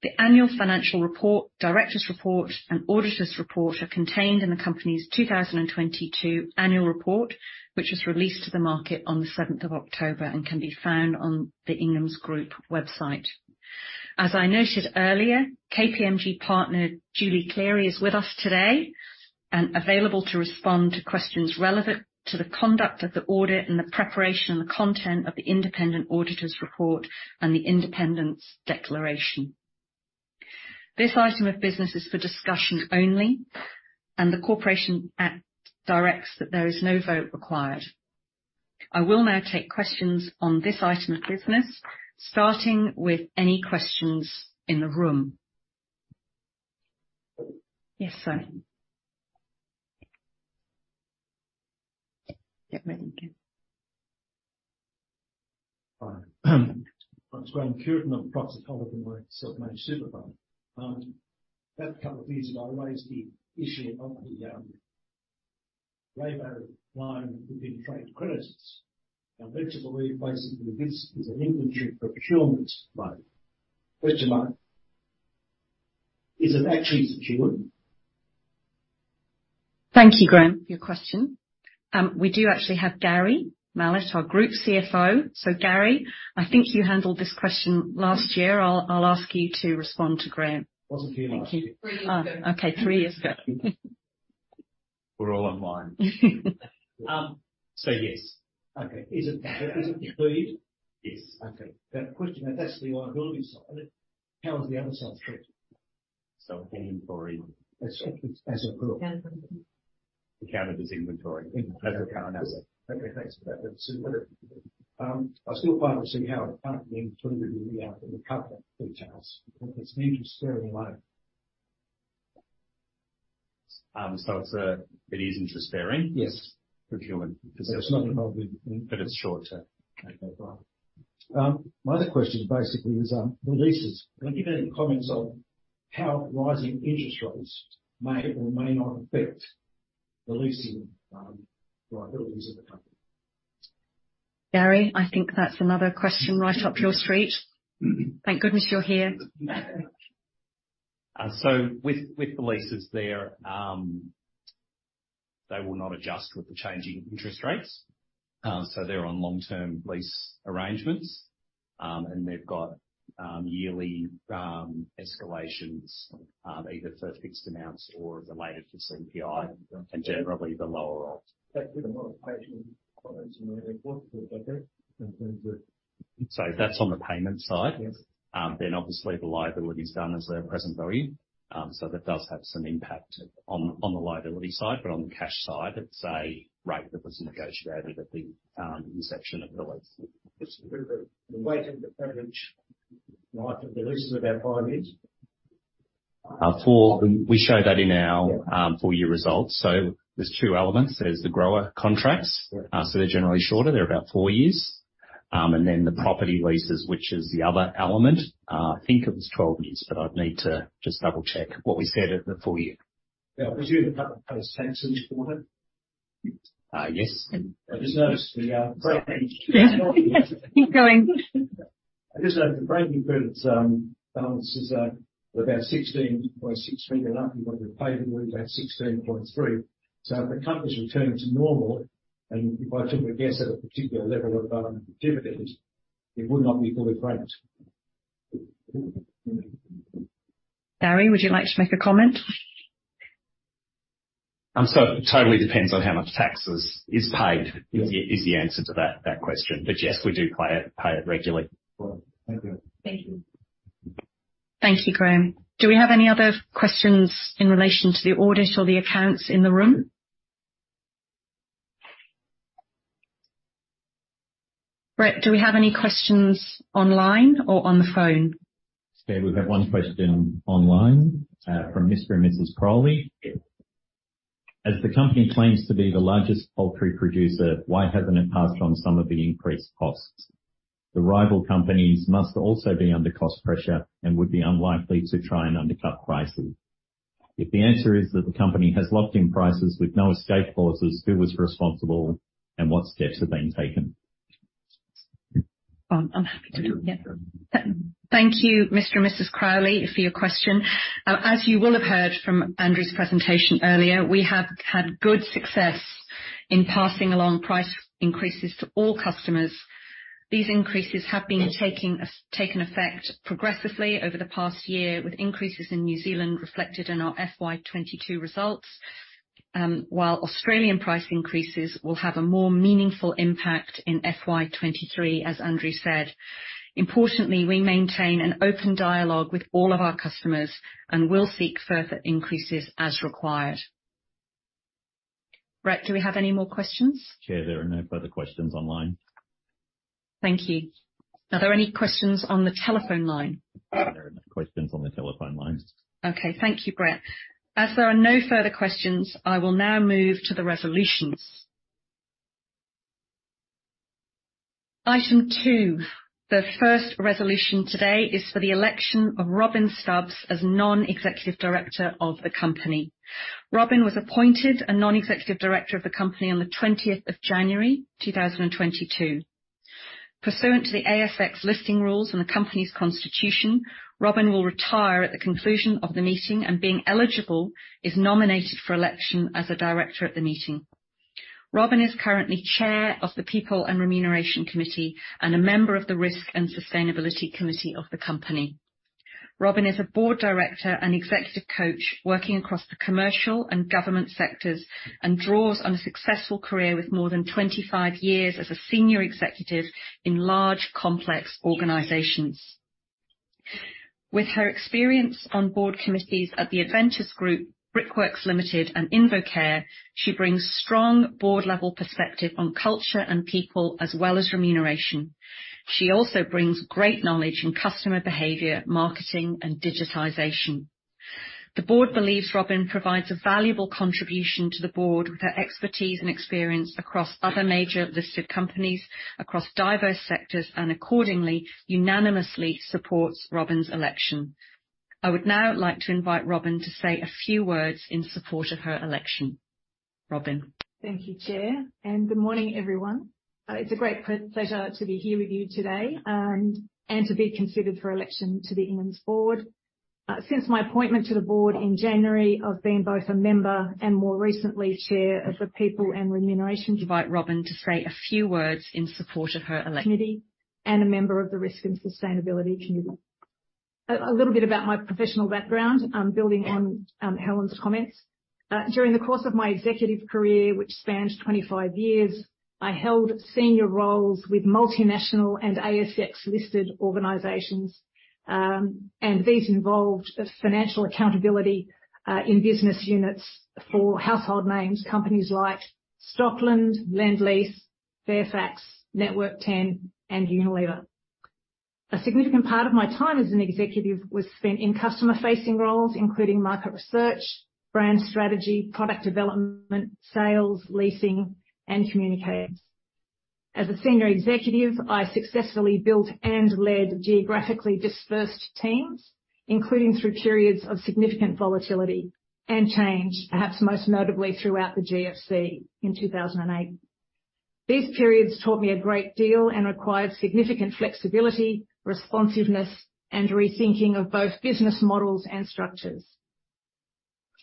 The annual financial report, directors report, and auditors report are contained in the company's 2022 annual report, which was released to the market on the 7th of October and can be found on the Inghams Group website. As I noted earlier, KPMG partner Julie Cleary is with us today and available to respond to questions relevant to the conduct of the audit and the preparation and the content of the independent auditors report and the independence declaration. This item of business is for discussion only. The Corporations Act directs that there is no vote required. I will now take questions on this item of business, starting with any questions in the room. Yes, sir. Yeah, thank you. I'm Graham Cureton, I'm a proxy holder for my self-managed super fund. About a couple of years ago, I raised the issue of the labor line within trade credits. I'm led to believe, basically, this is an inventory procurement mode. Question mark. Is it actually procurement? Thank you, Graham, for your question. We do actually have Gary Mallett, our Group CFO. Gary, I think you handled this question last year. I'll ask you to respond to Graham. It wasn't a year last year. Three years ago. Okay, three years ago. We're all online. Yes. Okay. Is it included? Yes. Okay. That's the question, and that's the liability side of it. How is the other side spread? Any inquiry. As approved. The cannabis inventory. Inventory. As a current asset. Okay, thanks for that. That's it. I still can't seem how it can't be included in the outcome details. It's an interest-bearing loan. It is interest-bearing. Yes procurement. It's not involved in. It's short-term. Okay, right. My other question basically is, the leases. Can you give any comments on how rising interest rates may or may not affect the leasing liabilities of the company? Gary, I think that's another question right up your street. Thank goodness you're here. With the leases there, they will not adjust with the changing interest rates. They're on long-term lease arrangements, and they've got yearly escalations, either for fixed amounts or related to CPI, and generally they're lower rates. That's with a modification clause in the report. That's on the payment side. Yes. Obviously the liability is done as a present value, that does have some impact on the liability side. On the cash side, it's a rate that was negotiated at the inception of the lease. Is the weighted average life of the lease about five years? We show that in our full-year results. There's two elements. There's the grower contracts. Yes. They're generally shorter. They're about four years. Then the property leases, which is the other element. I think it was 12 years, but I'd need to just double-check what we said at the full year. Yeah. Does your public pays tax each quarter? Yes. I just noticed. Keep going. I just noticed the franking credits balance is at about 16.6 million, and what we've paid is about AUD 16.3 million. If the company's returning to normal, and if I took a guess at a particular level of dividends, it would not be fully franked. Gary, would you like to make a comment? It totally depends on how much tax is paid. Yeah is the answer to that question. Yes, we do pay it quarterly. Cool. Thank you. Thank you. Thank you, Graham. Do we have any other questions in relation to the audit or the accounts in the room? Brett, do we have any questions online or on the phone? Chair, we've got one question online from Mr. and Mrs. Crowley. "As the company claims to be the largest poultry producer, why hasn't it passed on some of the increased costs? The rival companies must also be under cost pressure and would be unlikely to try and undercut pricing. If the answer is that the company has locked in prices with no escape clauses, who was responsible, and what steps are being taken? I'm happy to. Yeah. Thank you, Mr. and Mrs. Crowley, for your question. As you will have heard from Andrew's presentation earlier, we have had good success in passing along price increases to all customers. These increases have taken effect progressively over the past year, with increases in New Zealand reflected in our FY 2022 results, while Australian price increases will have a more meaningful impact in FY 2023, as Andrew said. Importantly, we maintain an open dialogue with all of our customers and will seek further increases as required. Brett, do we have any more questions? Chair, there are no further questions online. Thank you. Are there any questions on the telephone line? There are no questions on the telephone lines. Okay. Thank you, Brett. As there are no further questions, I will now move to the resolutions. Item two, the first resolution today is for the election of Robyn Stubbs as Non-Executive Director of the company. Robyn was appointed a Non-Executive Director of the company on the 20th of January 2022. Pursuant to the ASX Listing Rules and the company's constitution, Robyn will retire at the conclusion of the meeting and, being eligible, is nominated for election as a director at the meeting. Robyn is currently chair of the People and Remuneration Committee and a member of the Risk and Sustainability Committee of the company. Robyn is a board director and executive coach working across the commercial and government sectors and draws on a successful career with more than 25 years as a senior executive in large, complex organizations. With her experience on board committees at the Aventus Group, Brickworks Limited, and InvoCare, she brings strong board-level perspective on culture and people, as well as remuneration. She also brings great knowledge in customer behavior, marketing, and digitization. The board believes Robyn provides a valuable contribution to the board with her expertise and experience across other major listed companies across diverse sectors and accordingly, unanimously supports Robyn's election. I would now like to invite Robyn to say a few words in support of her election. Robyn. Thank you, Chair, and good morning, everyone. It's a great pleasure to be here with you today and to be considered for election to the Inghams board. Since my appointment to the board in January, I've been both a member and more recently, Chair of the People and Remuneration- Invite Robyn to say a few words in support of her election- Committee and a member of the Risk and Sustainability Committee. A little bit about my professional background, building on Helen's comments. During the course of my executive career, which spans 25 years, I held senior roles with multinational and ASX-listed organizations, and these involved financial accountability in business units for household names, companies like Stockland, Lendlease, Fairfax, Network 10, and Unilever. A significant part of my time as an executive was spent in customer-facing roles, including market research, brand strategy, product development, sales, leasing, and communications. As a senior executive, I successfully built and led geographically dispersed teams, including through periods of significant volatility and change, perhaps most notably throughout the GFC in 2008. These periods taught me a great deal and required significant flexibility, responsiveness, and rethinking of both business models and structures.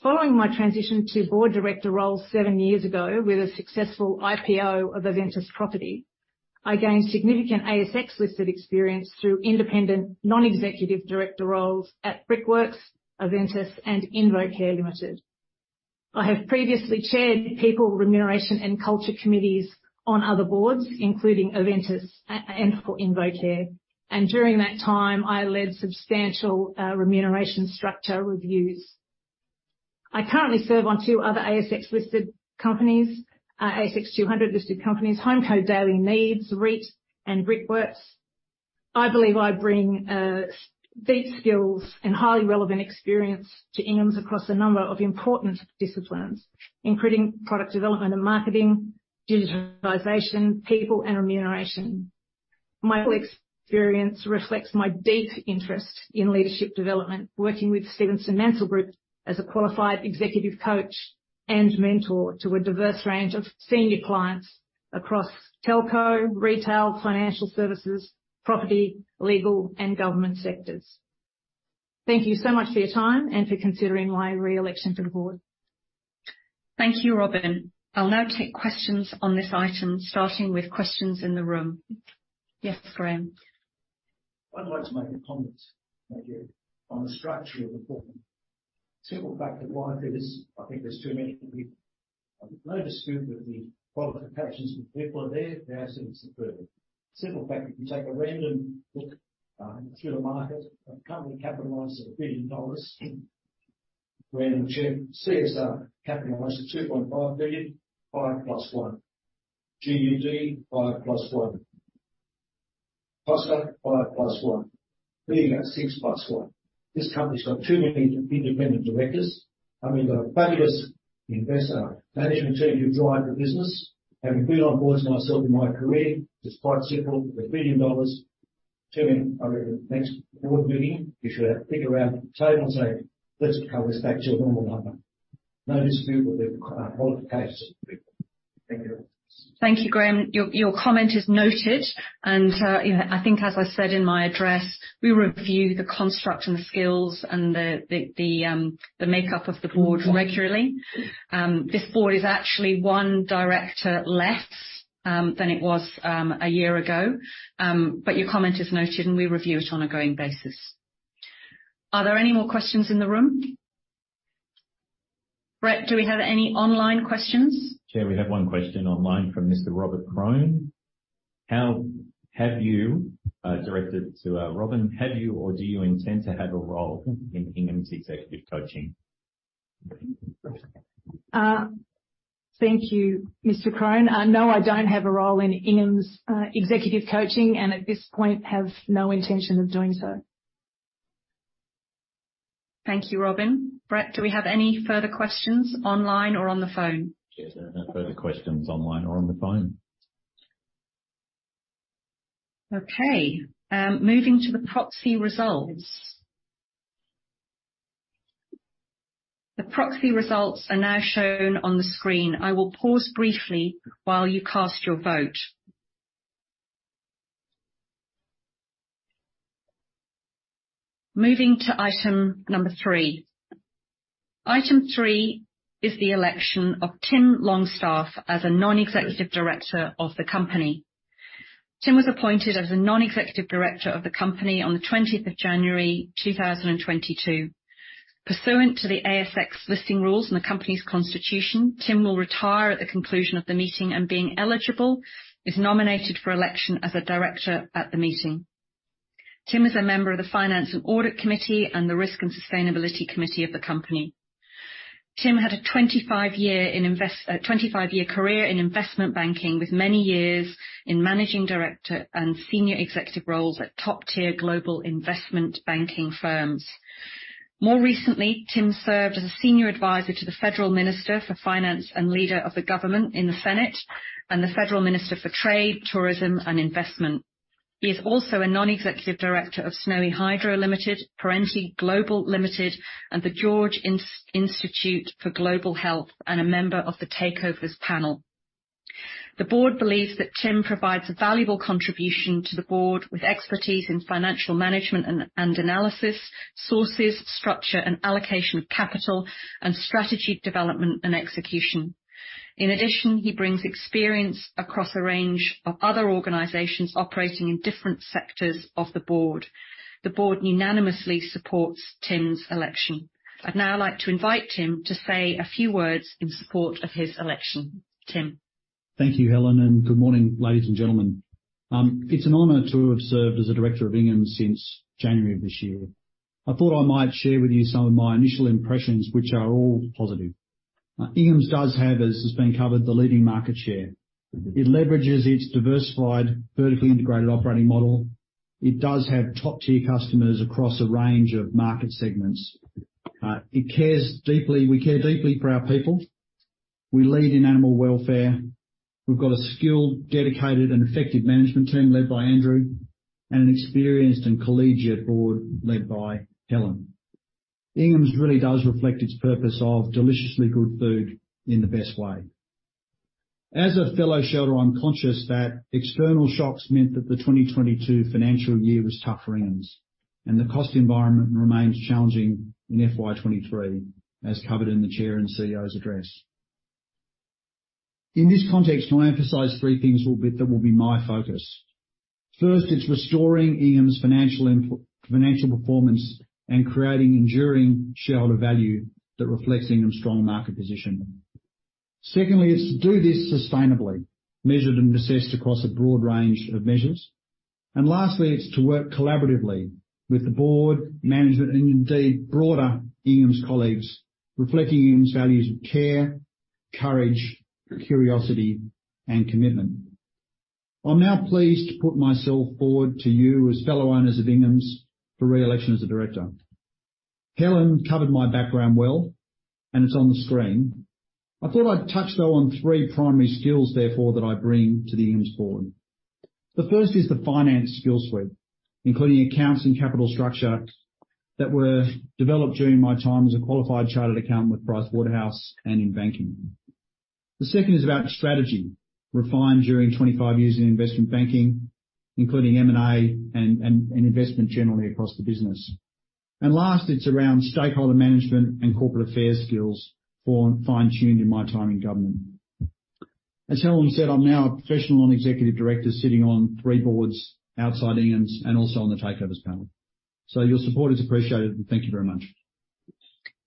Following my transition to board director role seven years ago with a successful IPO of Aventus Property, I gained significant ASX-listed experience through independent non-executive director roles at Brickworks, Aventus, and InvoCare Limited. I have previously chaired people, remuneration, and culture committees on other boards, including Aventus and for InvoCare. During that time, I led substantial remuneration structure reviews. I currently serve on two other ASX-listed companies, ASX 200-listed companies, HomeCo Daily Needs REIT and Brickworks. I believe I bring deep skills and highly relevant experience to Inghams across a number of important disciplines, including product development and marketing, digitalization, people, and remuneration. My experience reflects my deep interest in leadership development, working with Stephenson Mansell Group as a qualified executive coach and mentor to a diverse range of senior clients across telco, retail, financial services, property, legal, and government sectors. Thank you so much for your time and for considering my re-election for the board. Thank you, Robyn. I'll now take questions on this item, starting with questions in the room. Yes, Graham. I'd like to make a comment, if I may, on the structure of the board. Simple fact of why I do this, I think there's too many people. No dispute that the qualifications of the people are there. They are superb. Simple fact, if you take a random look through the market of company capitalized at 1 billion dollars, random check, CSR capitalized at 2.5 billion, five plus one. GUD, five plus one. Costco, five plus one. Bega at six plus one. This company's got too many independent directors. I mean, got a fabulous investor management team who drive the business. Having been on boards myself in my career, it's quite simple. With 1 billion dollars, too many. I reckon next board meeting, you should have a bigger round table and say, "Let's cut this back to a normal number." No dispute with the qualifications of the people. Thank you. Thank you, Graham. Your comment is noted. I think as I said in my address, we review the construct and the skills and the makeup of the board regularly. This board is actually one director less than it was a year ago. Your comment is noted, and we review it on a going basis. Are there any more questions in the room? Brett, do we have any online questions? Chair, we have one question online from Mr. Robert Crone. Directed to Robyn, "Have you or do you intend to have a role in Inghams executive coaching? Thank you, Mr. Crone. No, I don't have a role in Inghams executive coaching and at this point have no intention of doing so. Thank you, Robyn. Brett, do we have any further questions online or on the phone? Chair, no further questions online or on the phone. Okay. Moving to the proxy results. The proxy results are now shown on the screen. I will pause briefly while you cast your vote. Moving to item 3. Item 3 is the election of Tim Longstaff as a Non-Executive Director of the company. Tim was appointed as a Non-Executive Director of the company on the 20th of January, 2022. Pursuant to the ASX Listing Rules and the company's constitution, Tim will retire at the conclusion of the meeting and being eligible, is nominated for election as a Director at the meeting. Tim is a member of the Finance and Audit Committee and the Risk and Sustainability Committee of the company. Tim had a 25-year career in investment banking, with many years in managing director and senior executive roles at top-tier global investment banking firms. More recently, Tim served as a senior advisor to the Federal Minister for Finance and leader of the government in the Senate and the Federal Minister for Trade, Tourism and Investment. He is also a Non-Executive Director of Snowy Hydro Limited, Perenti Global Limited, and The George Institute for Global Health, and a member of the Takeovers Panel. The Board believes that Tim provides a valuable contribution to the Board with expertise in financial management and analysis, sources, structure, and allocation of capital, and strategy development and execution. In addition, he brings experience across a range of other organizations operating in different sectors of the Board. The Board unanimously supports Tim's election. I'd now like to invite Tim to say a few words in support of his election. Tim. Thank you, Helen, and good morning, ladies and gentlemen. It is an honor to have served as a director of Inghams since January of this year. I thought I might share with you some of my initial impressions, which are all positive. Inghams does have, as has been covered, the leading market share. It leverages its diversified, vertically integrated operating model. It does have top-tier customers across a range of market segments. We care deeply for our people. We lead in animal welfare. We have got a skilled, dedicated, and effective management team led by Andrew and an experienced and collegiate board led by Helen. Inghams really does reflect its purpose of deliciously good food in the best way. As a fellow shareholder, I am conscious that external shocks meant that the 2022 financial year was tough for Inghams, and the cost environment remains challenging in FY 2023, as covered in the chair and CEO's address. In this context, can I emphasize three things that will be my focus? First, it is restoring Inghams' financial performance and creating enduring shareholder value that reflects Inghams' strong market position. Secondly, it is to do this sustainably, measured and assessed across a broad range of measures. Lastly, it is to work collaboratively with the board, management, and indeed broader Inghams colleagues, reflecting Inghams' values of care, courage, curiosity, and commitment. I am now pleased to put myself forward to you as fellow owners of Inghams for re-election as a director. Helen covered my background well, and it is on the screen. I thought I would touch, though, on three primary skills therefore that I bring to the Inghams board. The first is the finance skill suite, including accounts and capital structure that were developed during my time as a qualified chartered accountant with PricewaterhouseCoopers and in banking. The second is about strategy, refined during 25 years in investment banking, including M&A and investment generally across the business. Last, it is around stakeholder management and corporate affairs skills, fine-tuned in my time in government. As Helen said, I am now a professional non-executive director sitting on three boards outside Inghams and also on the Takeovers Panel. Your support is appreciated, and thank you very much.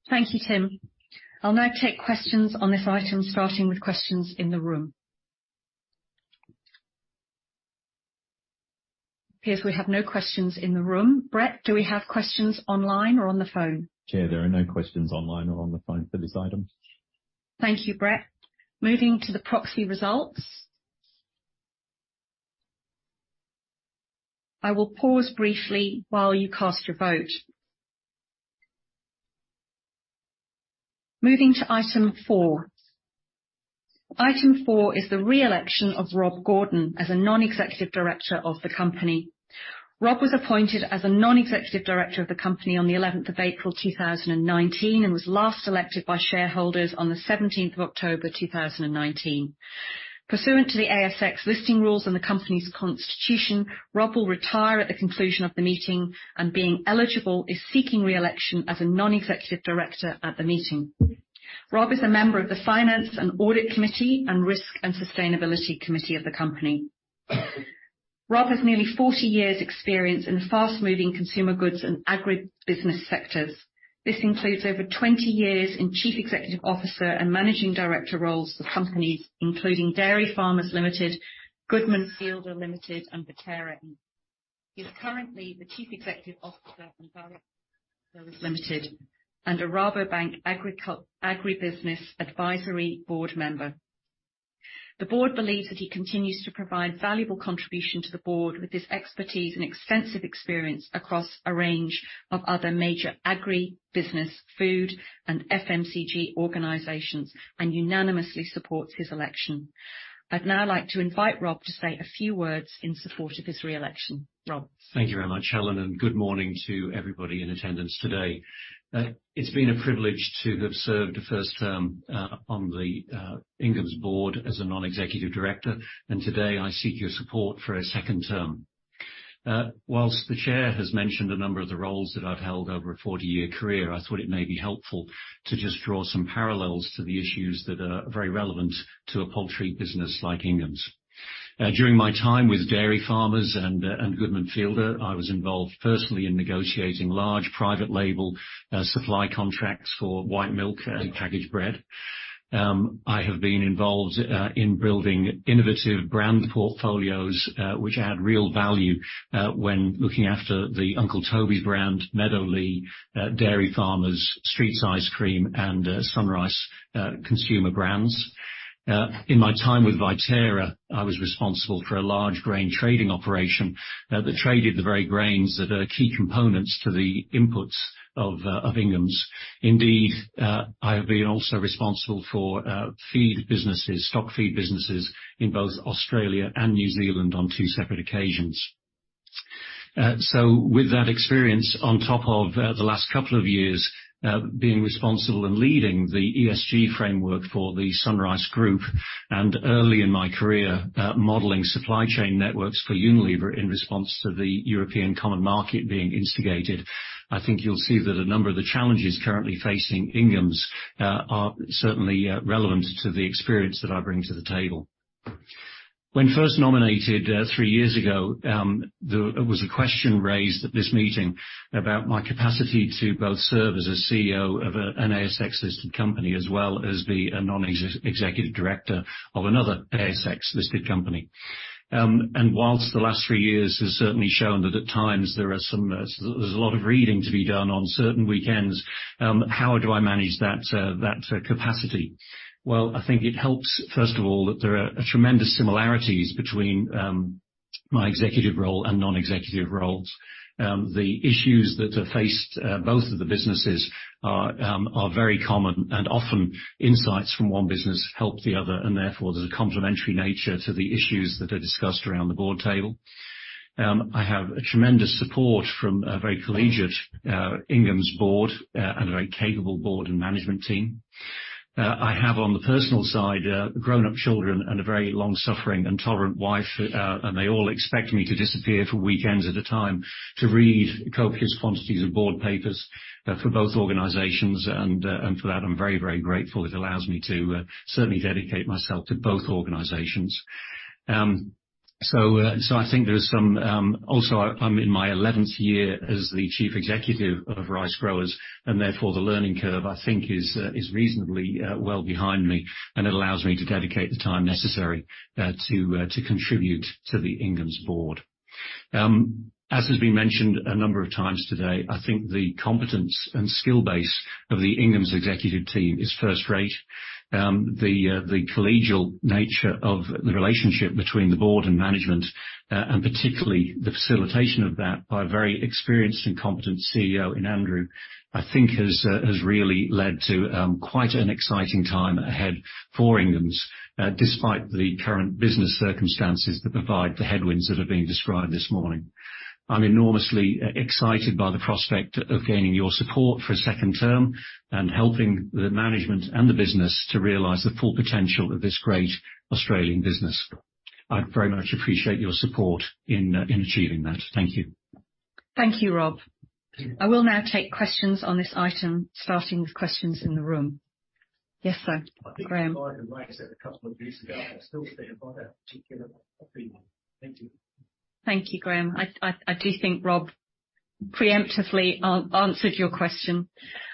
Thank you, Tim. I will now take questions on this item, starting with questions in the room. It appears we have no questions in the room. Brett, do we have questions online or on the phone? Chair, there are no questions online or on the phone for this item. Thank you, Brett. Moving to the proxy results. I will pause briefly while you cast your vote. Moving to item four. Item four is the re-election of Rob Gordon as a non-executive director of the company. Rob was appointed as a non-executive director of the company on the 11th of April 2019 and was last elected by shareholders on the 17th of October 2019. Pursuant to the ASX Listing Rules and the company's constitution, Rob will retire at the conclusion of the meeting and, being eligible, is seeking re-election as a non-executive director at the meeting. Rob is a member of the Finance and Audit Committee and Risk and Sustainability Committee of the company. Rob has nearly 40 years' experience in the fast-moving consumer goods and agribusiness sectors. This includes over 20 years in chief executive officer and managing director roles for companies including Dairy Farmers Limited, Goodman Fielder Limited, and Viterra. He is currently the chief executive officer of Limited and a Rabobank Agribusiness advisory board member. The board believes that he continues to provide valuable contribution to the board with his expertise and extensive experience across a range of other major agribusiness, food, and FMCG organizations, and unanimously supports his election. I'd now like to invite Rob to say a few words in support of his re-election. Rob. Thank you very much, Helen, and good morning to everybody in attendance today. It's been a privilege to have served a first term on the Inghams board as a non-executive director, and today I seek your support for a second term. Whilst the chair has mentioned a number of the roles that I've held over a 40-year career, I thought it may be helpful to just draw some parallels to the issues that are very relevant to a poultry business like Inghams. During my time with Dairy Farmers and Goodman Fielder, I was involved personally in negotiating large private label supply contracts for white milk and packaged bread. I have been involved in building innovative brand portfolios, which add real value when looking after the Uncle Tobys brand, MeadowLea, Dairy Farmers, Streets Ice Cream, and Sunrise consumer brands. In my time with Viterra, I was responsible for a large grain trading operation that traded the very grains that are key components to the inputs of Inghams. Indeed, I have been also responsible for feed businesses, stock feed businesses, in both Australia and New Zealand on two separate occasions. With that experience, on top of the last couple of years being responsible and leading the ESG framework for the SunRice Group, and early in my career, modeling supply chain networks for Unilever in response to the European Common Market being instigated, I think you'll see that a number of the challenges currently facing Inghams are certainly relevant to the experience that I bring to the table. When first nominated three years ago, there was a question raised at this meeting about my capacity to both serve as a CEO of an ASX-listed company as well as be a non-executive director of another ASX-listed company. Whilst the last three years has certainly shown that at times there's a lot of reading to be done on certain weekends, how do I manage that capacity? I think it helps, first of all, that there are tremendous similarities between my executive role and non-executive roles. The issues that are faced, both of the businesses, are very common, and often insights from one business help the other, and therefore there's a complementary nature to the issues that are discussed around the board table. I have tremendous support from a very collegiate Inghams board and a very capable board and management team. I have, on the personal side, grown-up children and a very long-suffering and tolerant wife, and they all expect me to disappear for weekends at a time to read copious quantities of board papers for both organizations. For that, I'm very, very grateful. It allows me to certainly dedicate myself to both organizations. I think there is also, I'm in my 11th year as the chief executive of Ricegrowers, and therefore, the learning curve, I think, is reasonably well behind me, and it allows me to dedicate the time necessary to contribute to the Inghams board. As has been mentioned a number of times today, I think the competence and skill base of the Inghams executive team is first rate. The collegial nature of the relationship between the board and management, and particularly the facilitation of that by a very experienced and competent CEO in Andrew, I think has really led to quite an exciting time ahead for Inghams, despite the current business circumstances that provide the headwinds that have been described this morning. I'm enormously excited by the prospect of gaining your support for a second term and helping the management and the business to realize the full potential of this great Australian business. I'd very much appreciate your support in achieving that. Thank you. Thank you, Rob. I will now take questions on this item, starting with questions in the room. Yes, sir. Graham. I think aside from, like I said a couple of weeks ago, I still stand by that particular opinion. Thank you. Thank you, Graham. I do think Rob preemptively answered your question.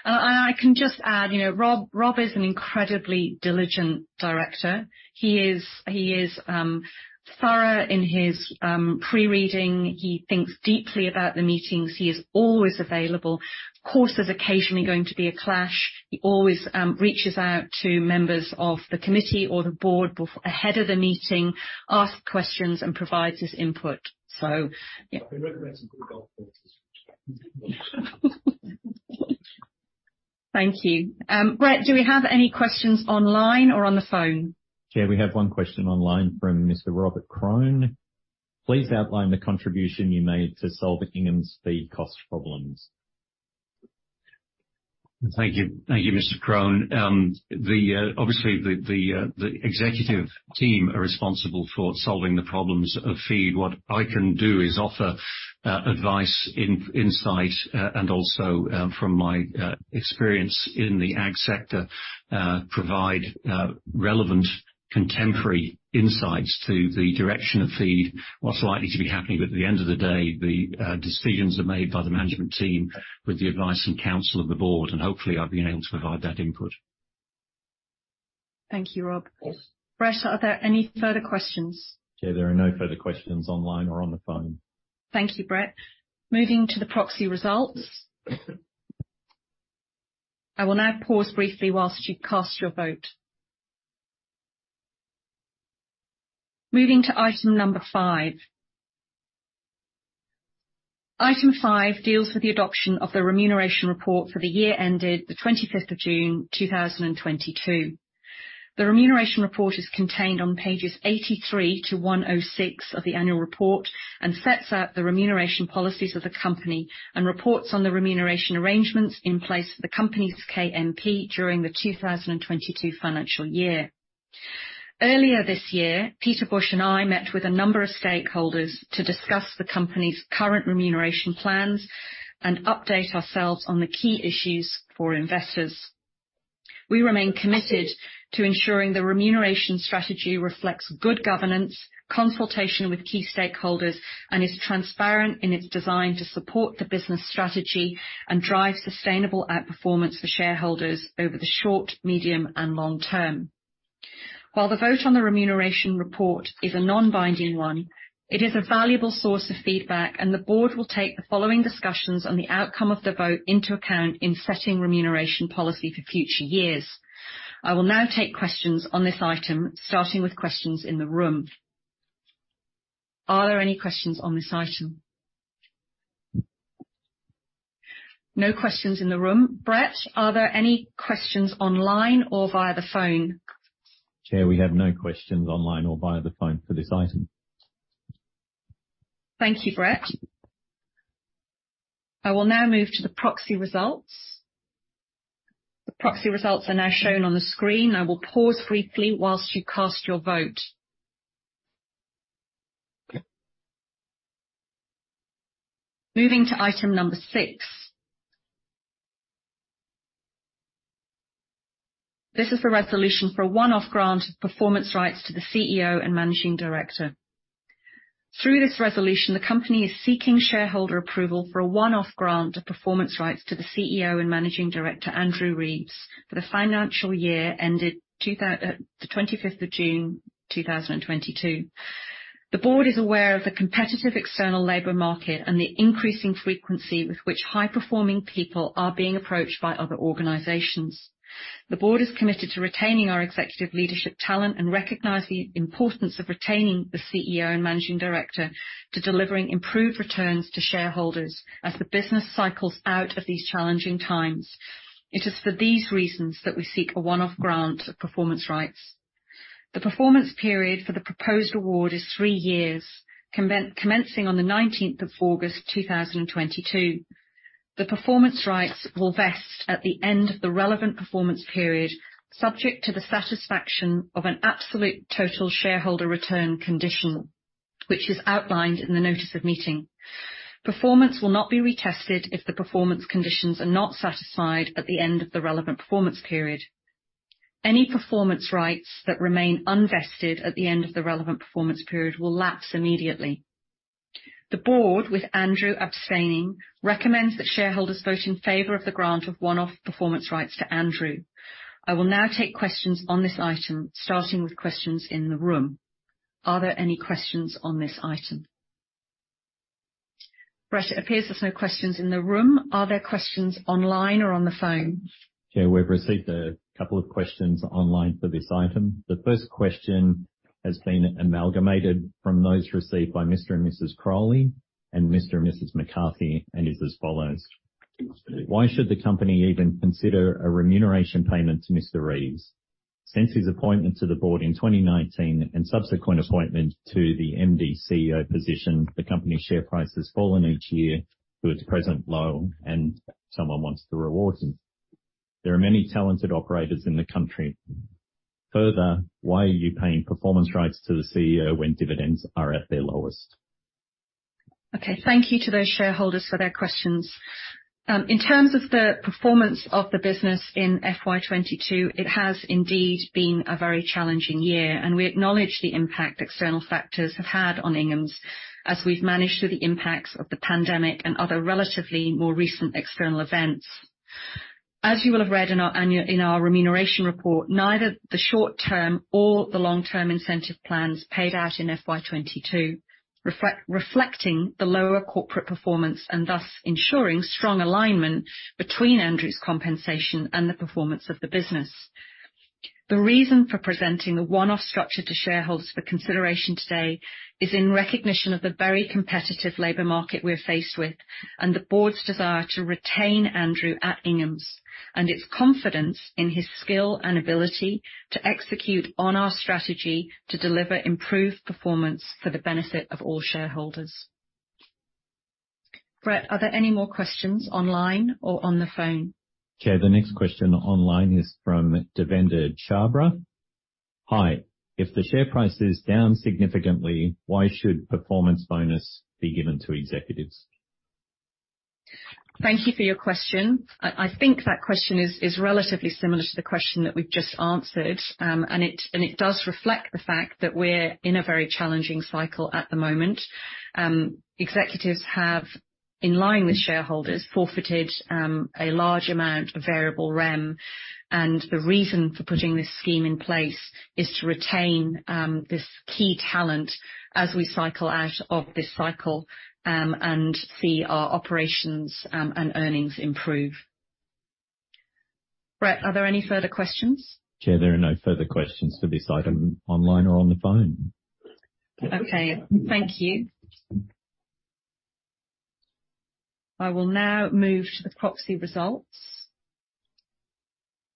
I can just add, Rob is an incredibly diligent director. He is thorough in his pre-reading. He thinks deeply about the meetings. He is always available. Of course, there's occasionally going to be a clash. He always reaches out to members of the committee or the board ahead of the meeting, asks questions, and provides his input. Yeah. He recommends some good golf courses. Thank you. Brett, do we have any questions online or on the phone? Chair, we have one question online from Mr. Robert Crone. Please outline the contribution you made to solving Inghams' feed cost problems. Thank you. Thank you, Mr. Crone. Obviously, the executive team are responsible for solving the problems of feed. What I can do is offer advice, insight, and also from my experience in the ag sector, provide relevant contemporary insights to the direction of feed, what's likely to be happening. At the end of the day, the decisions are made by the management team with the advice and counsel of the board, and hopefully I've been able to provide that input. Thank you, Rob. Brett, are there any further questions? Chair, there are no further questions online or on the phone. Thank you, Brett. Moving to the proxy results. I will now pause briefly whilst you cast your vote. Moving to item number 5. Item 5 deals with the adoption of the remuneration report for the year ended the 25th of June 2022. The remuneration report is contained on pages 83 to 106 of the annual report and sets out the remuneration policies of the company and reports on the remuneration arrangements in place for the company's KMP during the 2022 financial year. Earlier this year, Peter Bush and I met with a number of stakeholders to discuss the company's current remuneration plans and update ourselves on the key issues for investors. We remain committed to ensuring the remuneration strategy reflects good governance, consultation with key stakeholders, and is transparent in its design to support the business strategy and drive sustainable outperformance for shareholders over the short, medium, and long term. While the vote on the remuneration report is a non-binding one, it is a valuable source of feedback, the board will take the following discussions on the outcome of the vote into account in setting remuneration policy for future years. I will now take questions on this item, starting with questions in the room. Are there any questions on this item? No questions in the room. Brett, are there any questions online or via the phone? Chair, we have no questions online or via the phone for this item. Thank you, Brett. I will now move to the proxy results. The proxy results are now shown on the screen. I will pause briefly whilst you cast your vote. Moving to item number six. This is a resolution for a one-off grant of performance rights to the CEO and Managing Director. Through this resolution, the company is seeking shareholder approval for a one-off grant of performance rights to the CEO and Managing Director, Andrew Reeves, for the financial year ended the 25th of June 2022. The board is aware of the competitive external labor market and the increasing frequency with which high-performing people are being approached by other organizations. The board is committed to retaining our executive leadership talent and recognize the importance of retaining the CEO and Managing Director to delivering improved returns to shareholders as the business cycles out of these challenging times. It is for these reasons that we seek a one-off grant of performance rights. The performance period for the proposed award is three years, commencing on the 19th of August 2022. The performance rights will vest at the end of the relevant performance period, subject to the satisfaction of an absolute total shareholder return condition, which is outlined in the notice of meeting. Performance will not be retested if the performance conditions are not satisfied at the end of the relevant performance period. Any performance rights that remain unvested at the end of the relevant performance period will lapse immediately. The board, with Andrew abstaining, recommends that shareholders vote in favor of the grant of one-off performance rights to Andrew. I will now take questions on this item, starting with questions in the room. Are there any questions on this item? Brett, it appears there is no questions in the room. Are there questions online or on the phone? Chair, we have received a couple of questions online for this item. The first question has been amalgamated from those received by Mr. and Mrs. Crowley and Mr. and Mrs. McCarthy, and is as follows: "Why should the company even consider a remuneration payment to Mr. Reeves? Since his appointment to the board in 2019 and subsequent appointment to the MD CEO position, the company share price has fallen each year to its present low. Someone wants to reward him. There are many talented operators in the country. Further, why are you paying performance rights to the CEO when dividends are at their lowest? Thank you to those shareholders for their questions. In terms of the performance of the business in FY 2022, it has indeed been a very challenging year, and we acknowledge the impact external factors have had on Inghams as we've managed through the impacts of the pandemic and other relatively more recent external events. As you will have read in our remuneration report, neither the short-term or the long-term incentive plans paid out in FY 2022, reflecting the lower corporate performance and thus ensuring strong alignment between Andrew's compensation and the performance of the business. The reason for presenting a one-off structure to shareholders for consideration today is in recognition of the very competitive labor market we're faced with and the board's desire to retain Andrew at Inghams, and its confidence in his skill and ability to execute on our strategy to deliver improved performance for the benefit of all shareholders. Brett, are there any more questions online or on the phone? Chair, the next question online is from Devender Chhabra. "Hi. If the share price is down significantly, why should performance bonus be given to executives? Thank you for your question. I think that question is relatively similar to the question that we've just answered. It does reflect the fact that we're in a very challenging cycle at the moment. Executives have, in line with shareholders, forfeited a large amount of variable rem, and the reason for putting this scheme in place is to retain this key talent as we cycle out of this cycle and see our operations and earnings improve. Brett, are there any further questions? Chair, there are no further questions for this item online or on the phone. Okay. Thank you. I will now move to the proxy results.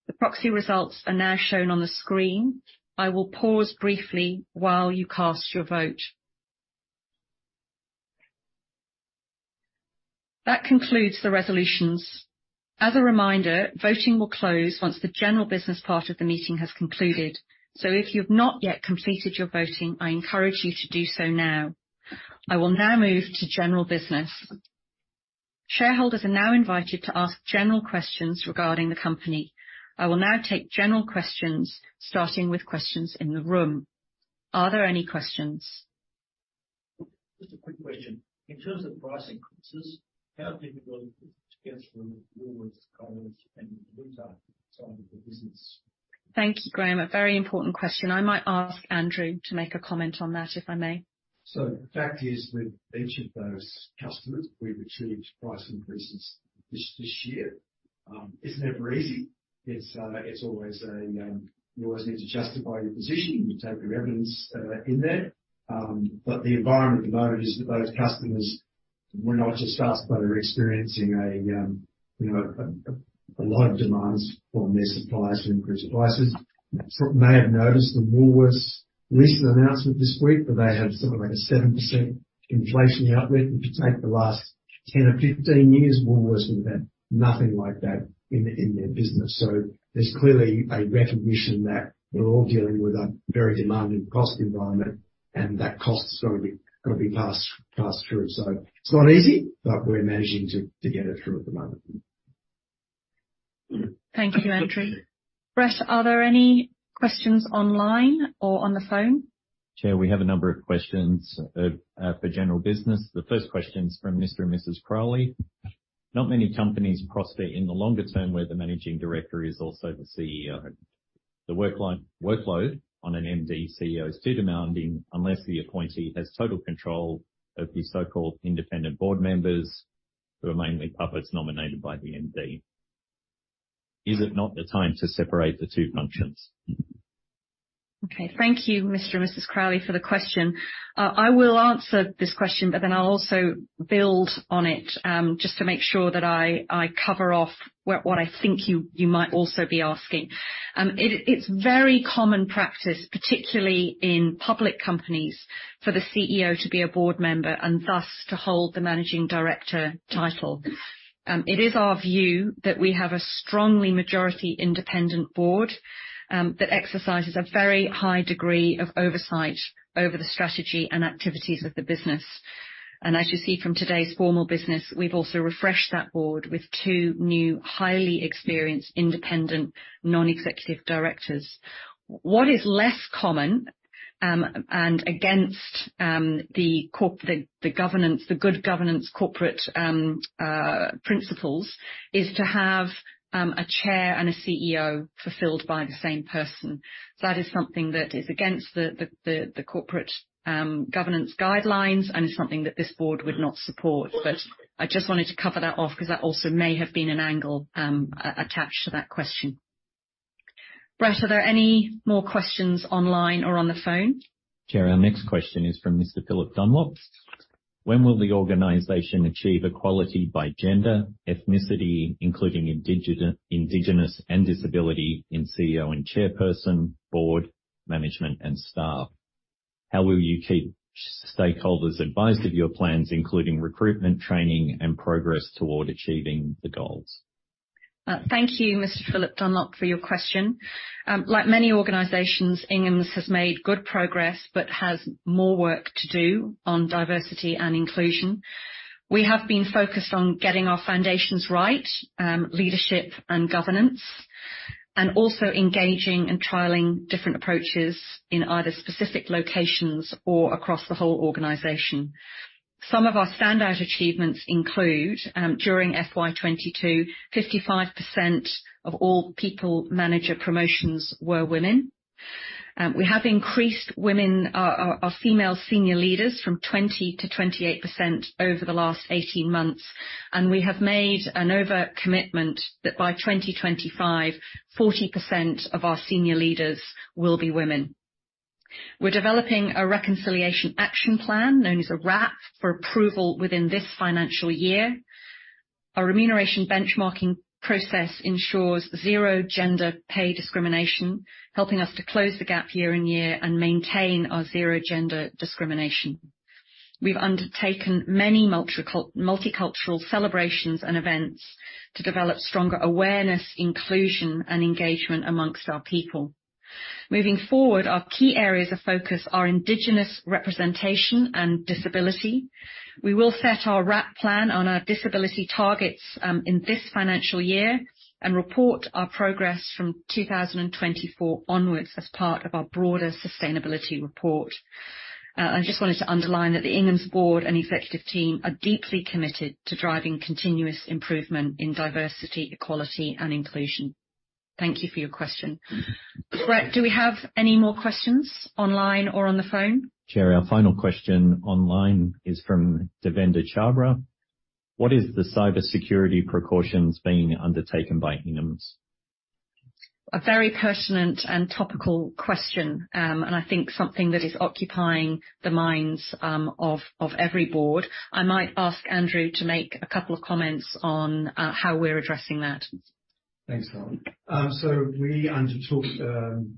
The proxy results are now shown on the screen. I will pause briefly while you cast your vote. That concludes the resolutions. As a reminder, voting will close once the general business part of the meeting has concluded. If you've not yet completed your voting, I encourage you to do so now. I will now move to general business. Shareholders are now invited to ask general questions regarding the company. I will now take general questions, starting with questions in the room. Are there any questions? Just a quick question. In terms of price increases, how difficult is it to get through Woolworths, Coles and the winter side of the business? Thank you, Graham. A very important question. I might ask Andrew to make a comment on that, if I may. The fact is, with each of those customers, we've achieved price increases this year. It's never easy. You always need to justify your position. You take your evidence in there. The environment at the moment is that those customers, well, not just us, but are experiencing a lot of demands from their suppliers for increased prices. You may have noticed the Woolworths recent announcement this week that they have something like a 7% inflation outlet. If you take the last 10 or 15 years, Woolworths has had nothing like that in their business. There's clearly a recognition that we're all dealing with a very demanding cost environment, and that cost has got to be passed through. It's not easy, but we're managing to get it through at the moment. Thank you, Andrew. Brett, are there any questions online or on the phone? Chair, we have a number of questions for general business. The first question is from Mr. and Mrs. Crowley. "Not many companies prosper in the longer term where the managing director is also the CEO. The workload on an MD CEO is too demanding unless the appointee has total control of the so-called independent board members who are mainly puppets nominated by the MD. Is it not the time to separate the two functions? Okay. Thank you, Mr. and Mrs. Crowley, for the question. I will answer this question, but then I'll also build on it, just to make sure that I cover off what I think you might also be asking. It's very common practice, particularly in public companies, for the CEO to be a board member and thus to hold the managing director title. It is our view that we have a strongly majority independent board that exercises a very high degree of oversight over the strategy and activities of the business. As you see from today's formal business, we've also refreshed that board with two new, highly experienced independent non-executive directors. What is less common, and against the good governance corporate principles, is to have a chair and a CEO fulfilled by the same person. That is something that is against the corporate governance guidelines and is something that this board would not support. I just wanted to cover that off because that also may have been an angle attached to that question. Brett, are there any more questions online or on the phone? Chair, our next question is from Mr. Philip Dunlop. "When will the organization achieve equality by gender, ethnicity, including indigenous and disability in CEO and chairperson, board management, and staff? How will you keep stakeholders advised of your plans, including recruitment, training, and progress toward achieving the goals? Thank you, Mr. Philip Dunlop, for your question. Like many organizations, Inghams has made good progress but has more work to do on diversity and inclusion. We have been focused on getting our foundations right, leadership and governance, and also engaging and trialing different approaches in either specific locations or across the whole organization. Some of our standout achievements include, during FY 2022, 55% of all people manager promotions were women. We have increased our female senior leaders from 20 to 28% over the last 18 months, and we have made an overt commitment that by 2025, 40% of our senior leaders will be women. We're developing a Reconciliation Action Plan, known as a RAP, for approval within this financial year. Our remuneration benchmarking process ensures zero gender pay discrimination, helping us to close the gap year on year and maintain our zero gender discrimination. We've undertaken many multicultural celebrations and events to develop stronger awareness, inclusion, and engagement amongst our people. Moving forward, our key areas of focus are indigenous representation and disability. We will set our RAP plan on our disability targets in this financial year and report our progress from 2024 onwards as part of our broader sustainability report. I just wanted to underline that the Inghams board and executive team are deeply committed to driving continuous improvement in diversity, equality, and inclusion. Thank you for your question. Brett, do we have any more questions online or on the phone? Chair, our final question online is from Devender Chhabra. "What is the cybersecurity precautions being undertaken by Inghams? A very pertinent and topical question, I think something that is occupying the minds of every board. I might ask Andrew to make a couple of comments on how we're addressing that. Thanks, Helen. We undertook,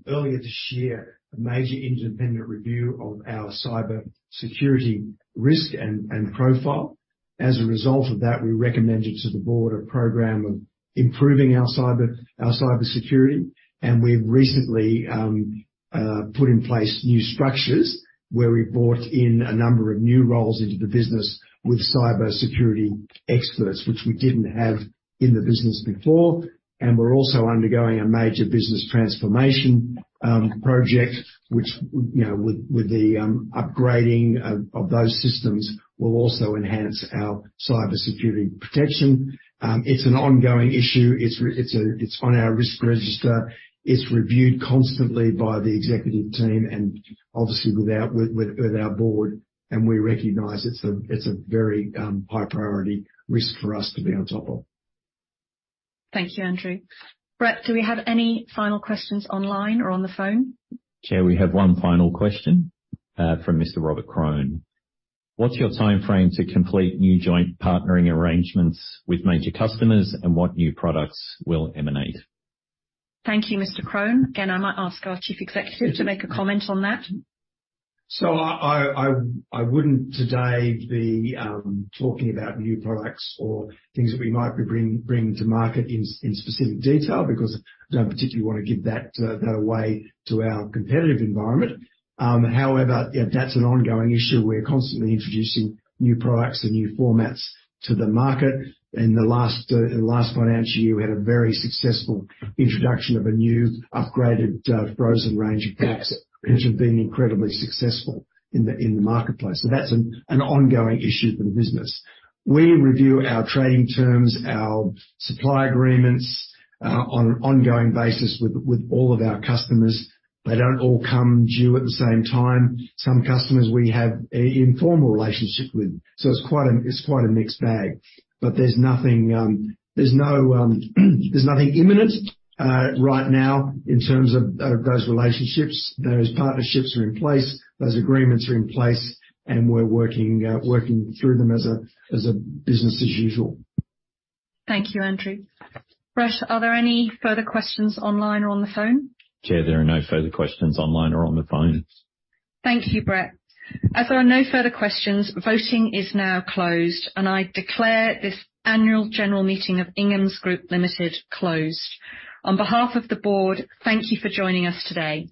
earlier this year, a major independent review of our cybersecurity risk and profile. As a result of that, we recommended to the board a program of improving our cybersecurity. We've recently put in place new structures where we brought in a number of new roles into the business with cybersecurity experts, which we didn't have in the business before. We're also undergoing a major business transformation project, which, with the upgrading of those systems, will also enhance our cybersecurity protection. It's an ongoing issue. It's on our risk register. It's reviewed constantly by the executive team, and obviously with our board, and we recognize it's a very high priority risk for us to be on top of. Thank you, Andrew. Brett, do we have any final questions online or on the phone? Chair, we have one final question from Mr. Robert Crone. "What's your timeframe to complete new joint partnering arrangements with major customers, and what new products will emanate? Thank you, Mr. Crone. I might ask our chief executive to make a comment on that. I wouldn't today be talking about new products or things that we might be bringing to market in specific detail because I don't particularly want to give that away to our competitive environment. However, that's an ongoing issue. We're constantly introducing new products and new formats to the market. In the last financial year, we had a very successful introduction of a new upgraded frozen range of packs, which have been incredibly successful in the marketplace. That's an ongoing issue for the business. We review our trading terms, our supply agreements on an ongoing basis with all of our customers. They don't all come due at the same time. Some customers, we have an informal relationship with, it's quite a mixed bag. There's nothing imminent right now in terms of those relationships. Those partnerships are in place, those agreements are in place, we're working through them as a business as usual. Thank you, Andrew. Brett, are there any further questions online or on the phone? Chair, there are no further questions online or on the phone. Thank you, Brett. As there are no further questions, voting is now closed, and I declare this annual general meeting of Inghams Group Limited closed. On behalf of the board, thank you for joining us today.